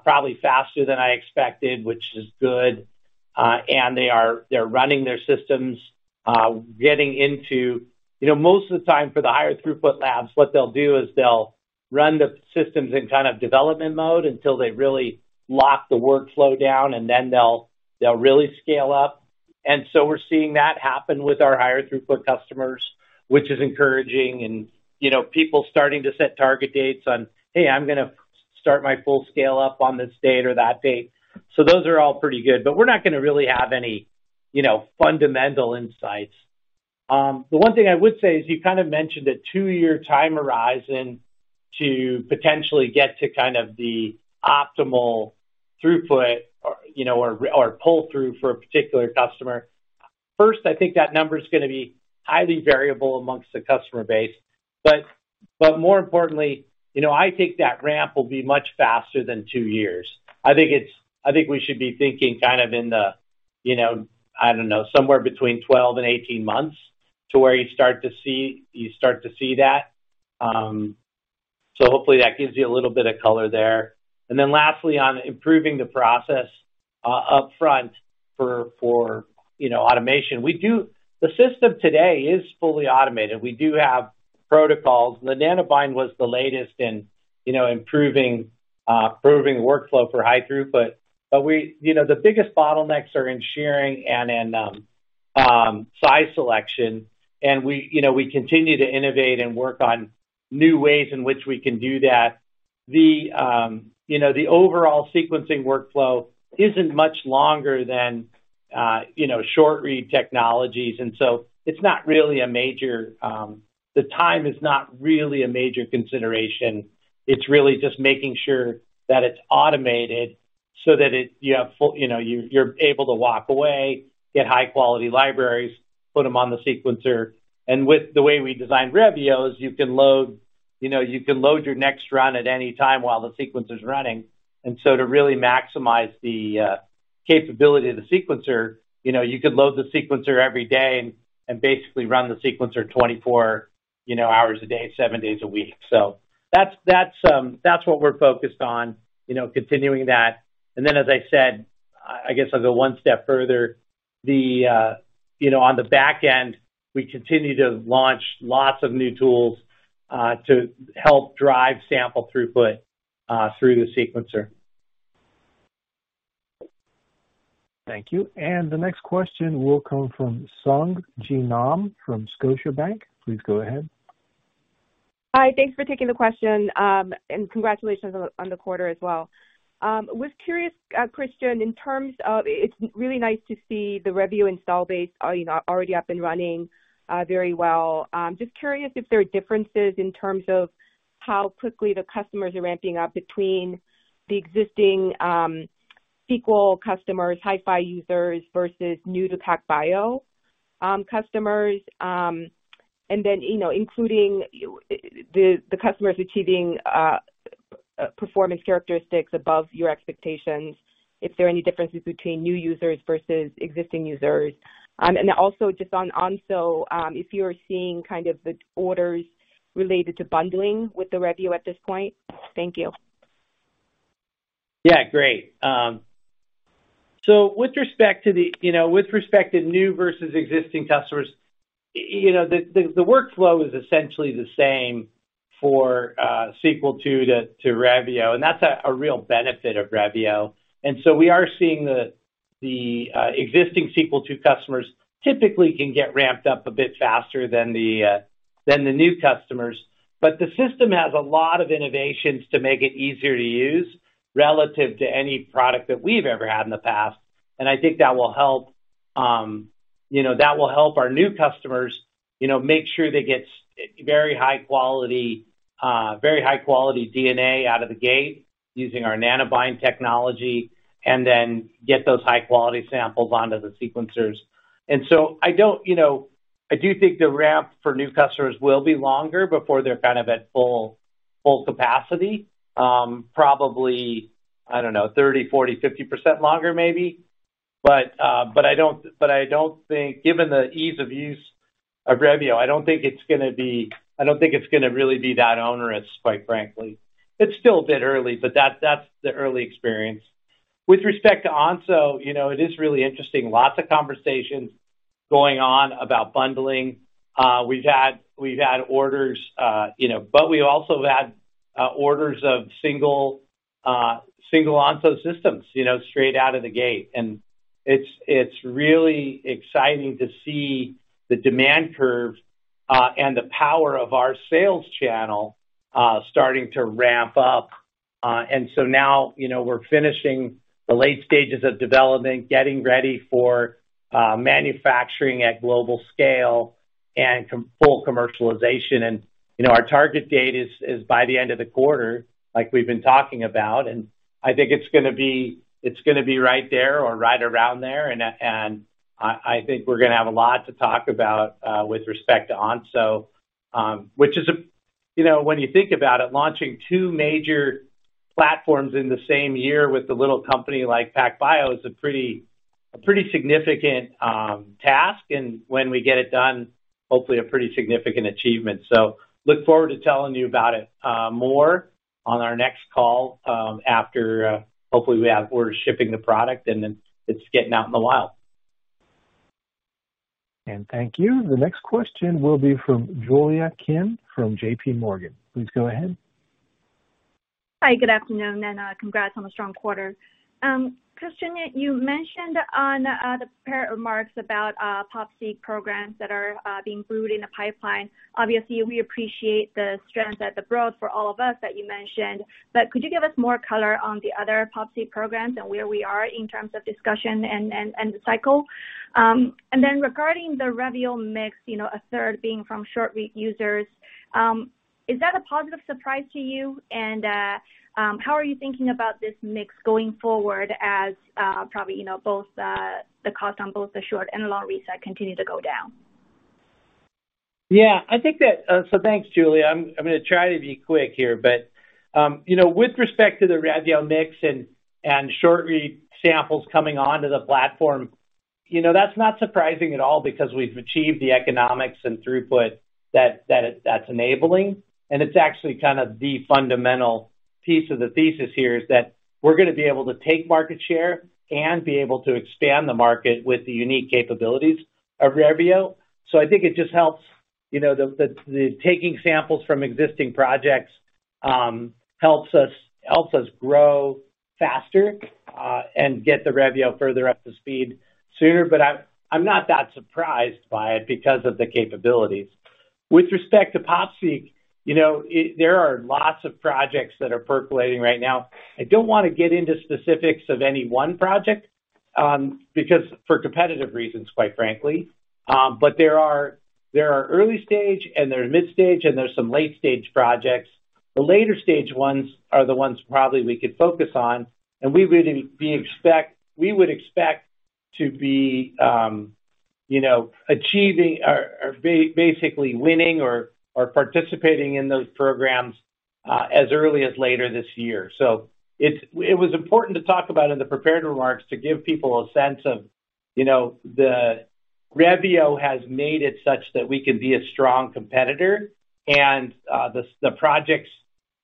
Speaker 3: probably faster than I expected, which is good. They are, they're running their systems, getting into... You know, most of the time for the higher throughput labs, what they'll do is they'll run the systems in kind of development mode until they really lock the workflow down and then they'll really scale up. We're seeing that happen with our higher throughput customers, which is encouraging and, you know, people starting to set target dates on, "Hey, I'm gonna start my full scale up on this date or that date." Those are all pretty good, but we're not gonna really have any, you know, fundamental insights. The one thing I would say is you kind of mentioned a two-year time horizon to potentially get to kind of the optimal throughput or, you know, or pull-through for a particular customer. First, I think that number is gonna be highly variable amongst the customer base. More importantly, you know, I think that ramp will be much faster than 2 years. I think we should be thinking kind of in the, you know, I don't know, somewhere between 12 and 18 months to where you start to see that. Hopefully that gives you a little bit of color there. Lastly, on improving the process up front for, you know, automation. The system today is fully automated. We do have protocols. The Nanobind was the latest in, you know, improving workflow for high throughput. You know, the biggest bottlenecks are in sharing and in size selection, we, you know, we continue to innovate and work on new ways in which we can do that. You know, the overall sequencing workflow isn't much longer than, you know, short-read technologies. The time is not really a major consideration. It's really just making sure that it's automated so that you have full, you know, you're able to walk away, get high quality libraries, put them on the sequencer. With the way we designed Revio is you can load, you know, you can load your next run at any time while the sequence is running. To really maximize the capability of the sequencer, you know, you could load the sequencer every day and basically run the sequencer 24, you know, hours a day, seven days a week. That's what we're focused on, you know, continuing that. As I said, I guess I'll go one step further. You know, on the back end, we continue to launch lots of new tools to help drive sample throughput through the sequencer.
Speaker 1: Thank you. The next question will come from Sung Ji Nam from Scotiabank. Please go ahead.
Speaker 9: Hi. Thanks for taking the question, and congratulations on the quarter as well. Was curious, Christian, in terms of it's really nice to see the Revio install base, you know, already up and running very well. Just curious if there are differences in terms of how quickly the customers are ramping up between the existing Sequel customers, HiFi users versus new to PacBio customers. Then, you know, including the customers achieving performance characteristics above your expectations, if there are any differences between new users versus existing users. Also just on Onso, if you are seeing kind of the orders related to bundling with the Revio at this point. Thank you.
Speaker 3: Yeah, great. With respect to the, you know, with respect to new versus existing customers, you know, the workflow is essentially the same for Sequel II to Revio, a real benefit of Revio. We are seeing the existing Sequel II customers typically can get ramped up a bit faster than the new customers. The system has a lot of innovations to make it easier to use relative to any product that we've ever had in the past, I think that will help, you know, that will help our new customers, you know, make sure they get very high quality, very high quality DNA out of the gate using our Nanobind technology and then get those high quality samples onto the sequencers. I don't, you know... I do think the ramp for new customers will be longer before they're kind of at full capacity, probably, I don't know, 30%, 40%, 50% longer maybe. I don't think Given the ease of use of Revio, I don't think it's gonna really be that onerous, quite frankly. It's still a bit early, but that's the early experience. With respect to Onso, you know, it is really interesting. Lots of conversations going on about bundling. We've had orders, you know, but we also had orders of single Onso systems, you know, straight out of the gate. It's really exciting to see the demand curve and the power of our sales channel starting to ramp up. So now, you know, we're finishing the late stages of development, getting ready for manufacturing at global scale and full commercialization. You know, our target date is by the end of the quarter, like we've been talking about. I think it's gonna be right there or right around there. I think we're gonna have a lot to talk about with respect to Onso. You know, when you think about it, launching two major platforms in the same year with a little company like PacBio is a pretty significant task, and when we get it done, hopefully a pretty significant achievement. Look forward to telling you about it, more on our next call, after, hopefully we have orders shipping the product and then it's getting out in the wild.
Speaker 1: Thank you. The next question will be from Julia Qin from JPMorgan. Please go ahead.
Speaker 10: Hi. Good afternoon, congrats on the strong quarter. Christian, you mentioned on the prepared remarks about Onso programs that are being brewed in the pipeline. Obviously, we appreciate the strength at the Broad for All of Us that you mentioned. Could you give us more color on the other Onso programs and where we are in terms of discussion and the cycle? Regarding the Revio mix, you know, a third being from short read users, is that a positive surprise to you? How are you thinking about this mix going forward as probably, you know, both the cost on both the short and long reads continue to go down?
Speaker 3: I think that. Thanks, Julia. I'm gonna try to be quick here, but, you know, with respect to the Revio mix and short read samples coming onto the platform, you know, that's not surprising at all because we've achieved the economics and throughput that's enabling. It's actually kind of the fundamental piece of the thesis here is that we're gonna be able to take market share and be able to expand the market with the unique capabilities of Revio. I think it just helps, you know, the taking samples from existing projects, helps us grow faster and get the Revio further up to speed sooner, but I'm not that surprised by it because of the capabilities. With respect to Onso, you know, there are lots of projects that are percolating right now. I don't wanna get into specifics of any one project, because for competitive reasons, quite frankly. There are early stage and there are mid stage and there's some late stage projects. The later stage ones are the ones probably we could focus on, and we would expect to be, you know, achieving or basically winning or participating in those programs as early as later this year. It was important to talk about in the prepared remarks to give people a sense of, you know, Revio has made it such that we can be a strong competitor and the projects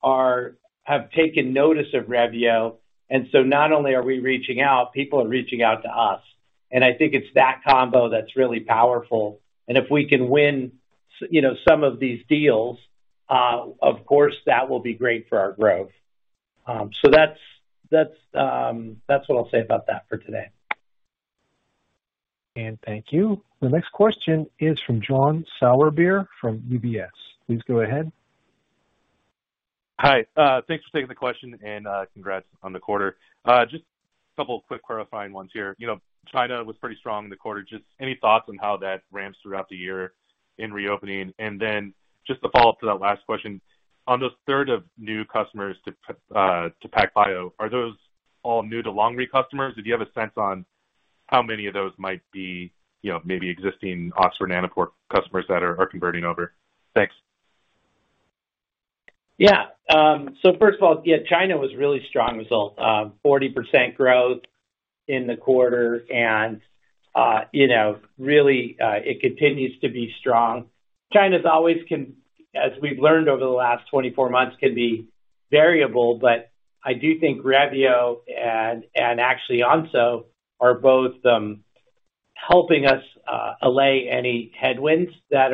Speaker 3: have taken notice of Revio. Not only are we reaching out, people are reaching out to us. I think it's that combo that's really powerful. If we can win you know, some of these deals, of course, that will be great for our growth. That's what I'll say about that for today.
Speaker 1: Thank you. The next question is from John Sourbeer from UBS. Please go ahead.
Speaker 11: Hi. Thanks for taking the question, and congrats on the quarter. Just a couple of quick clarifying ones here. You know, China was pretty strong in the quarter. Just any thoughts on how that ramps throughout the year in reopening? Just a follow-up to that last question. On the third of new customers to PacBio, are those all new to long read customers? Do you have a sense on how many of those might be, you know, maybe existing Oxford Nanopore Technologies customers that are converting over? Thanks.
Speaker 3: First of all, yeah, China was a really strong result. 40% growth in the quarter and, you know, really, it continues to be strong. China's always as we've learned over the last 24 months, can be variable, but I do think Revio and actually Onso are both helping us allay any headwinds that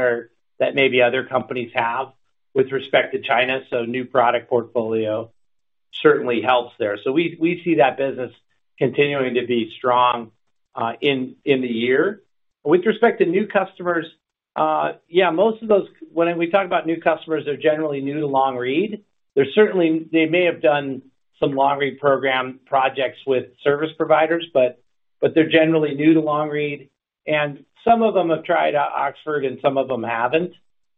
Speaker 3: maybe other companies have with respect to China. New product portfolio certainly helps there. We see that business continuing to be strong in the year. With respect to new customers, yeah, most of those when we talk about new customers, they're generally new to long read. They're certainly they may have done some long read program projects with service providers, but they're generally new to long read. Some of them have tried out Oxford and some of them haven't.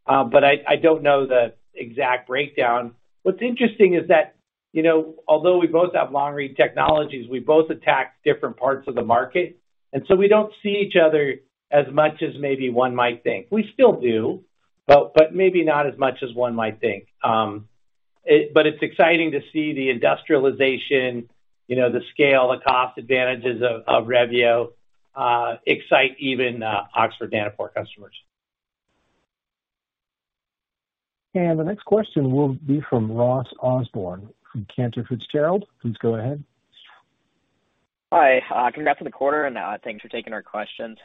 Speaker 3: I don't know the exact breakdown. What's interesting is that, you know, although we both have long read technologies, we both attack different parts of the market, and so we don't see each other as much as maybe one might think. We still do, but maybe not as much as one might think. It's exciting to see the industrialization, you know, the scale, the cost advantages of Revio, excite even Oxford Nanopore customers.
Speaker 1: The next question will be from Ross Osborn from Cantor Fitzgerald. Please go ahead.
Speaker 12: Hi, congrats on the quarter. Thanks for taking our questions.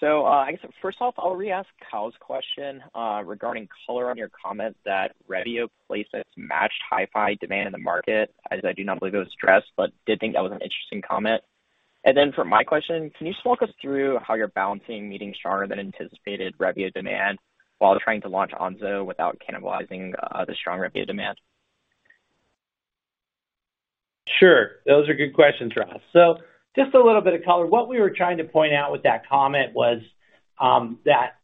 Speaker 12: I guess first off, I'll re-ask Kyle's question regarding color on your comment that Revio places matched HiFi demand in the market, as I do not believe it was stressed, but did think that was an interesting comment. For my question, can you just walk us through how you're balancing meeting stronger than anticipated Revio demand while trying to launch Onso without cannibalizing the strong Revio demand?
Speaker 3: Sure. Those are good questions, Ross. Just a little bit of color. What we were trying to point out with that comment was that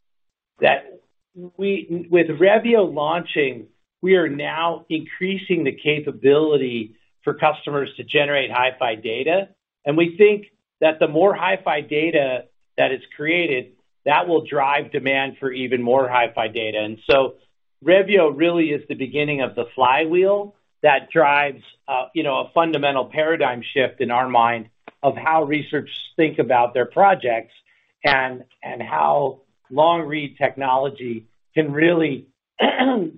Speaker 3: we With Revio launching, we are now increasing the capability for customers to generate HiFi data. We think that the more HiFi data that is created, that will drive demand for even more HiFi data. Revio really is the beginning of the flywheel that drives, you know, a fundamental paradigm shift, in our mind, of how researchers think about their projects and how long-read technology can really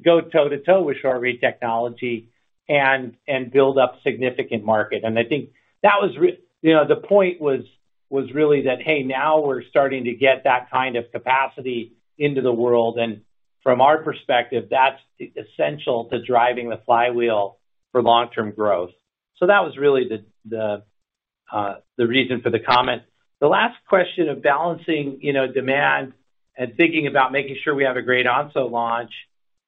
Speaker 3: go toe-to-toe with short-read technology and build up significant market. I think that You know, the point was really that, hey, now we're starting to get that kind of capacity into the world, and from our perspective, that's essential to driving the flywheel for long-term growth. That was really the reason for the comment. The last question of balancing, you know, demand and thinking about making sure we have a great Onso launch.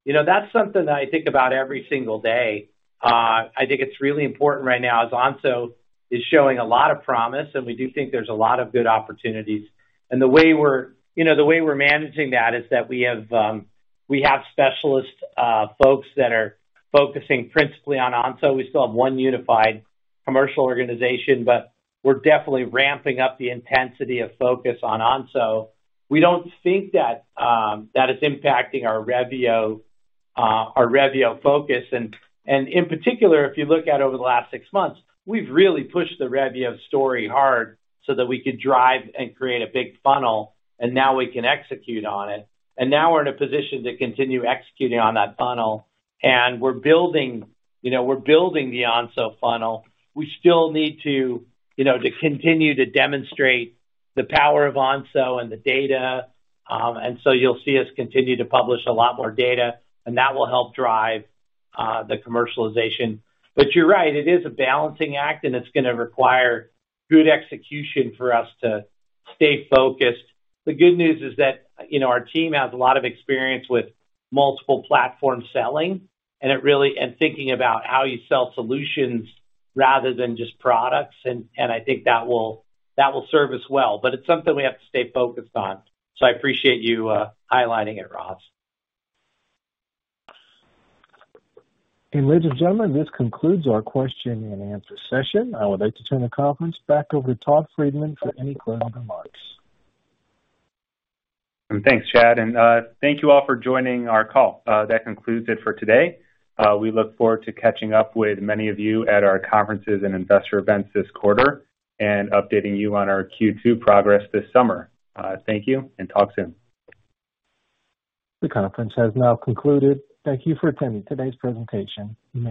Speaker 3: You know, that's something that I think about every single day. I think it's really important right now, as Onso is showing a lot of promise, and we do think there's a lot of good opportunities. You know, the way we're managing that is that we have specialist folks that are focusing principally on Onso. We still have one unified commercial organization, but we're definitely ramping up the intensity of focus on Onso. We don't think that is impacting our Revio, our Revio focus. In particular, if you look at over the last six months, we've really pushed the Revio story hard so that we could drive and create a big funnel, and now we can execute on it. Now we're in a position to continue executing on that funnel, and we're building, you know, we're building the Onso funnel. We still need to, you know, to continue to demonstrate the power of Onso and the data. So you'll see us continue to publish a lot more data, and that will help drive the commercialization. You're right, it is a balancing act, and it's gonna require good execution for us to stay focused. The good news is that, you know, our team has a lot of experience with multiple platform selling and it really... Thinking about how you sell solutions rather than just products and I think that will serve us well. It's something we have to stay focused on. I appreciate you, highlighting it, Ross.
Speaker 1: Ladies and gentlemen, this concludes our question-and-answer session. I would like to turn the conference back over to Todd Friedman for any closing remarks.
Speaker 3: Thanks, Chad. Thank you all for joining our call. That concludes it for today. We look forward to catching up with many of you at our conferences and investor events this quarter and updating you on our Q2 progress this summer. Thank you. Talk soon.
Speaker 1: The conference has now concluded. Thank you for attending today's presentation.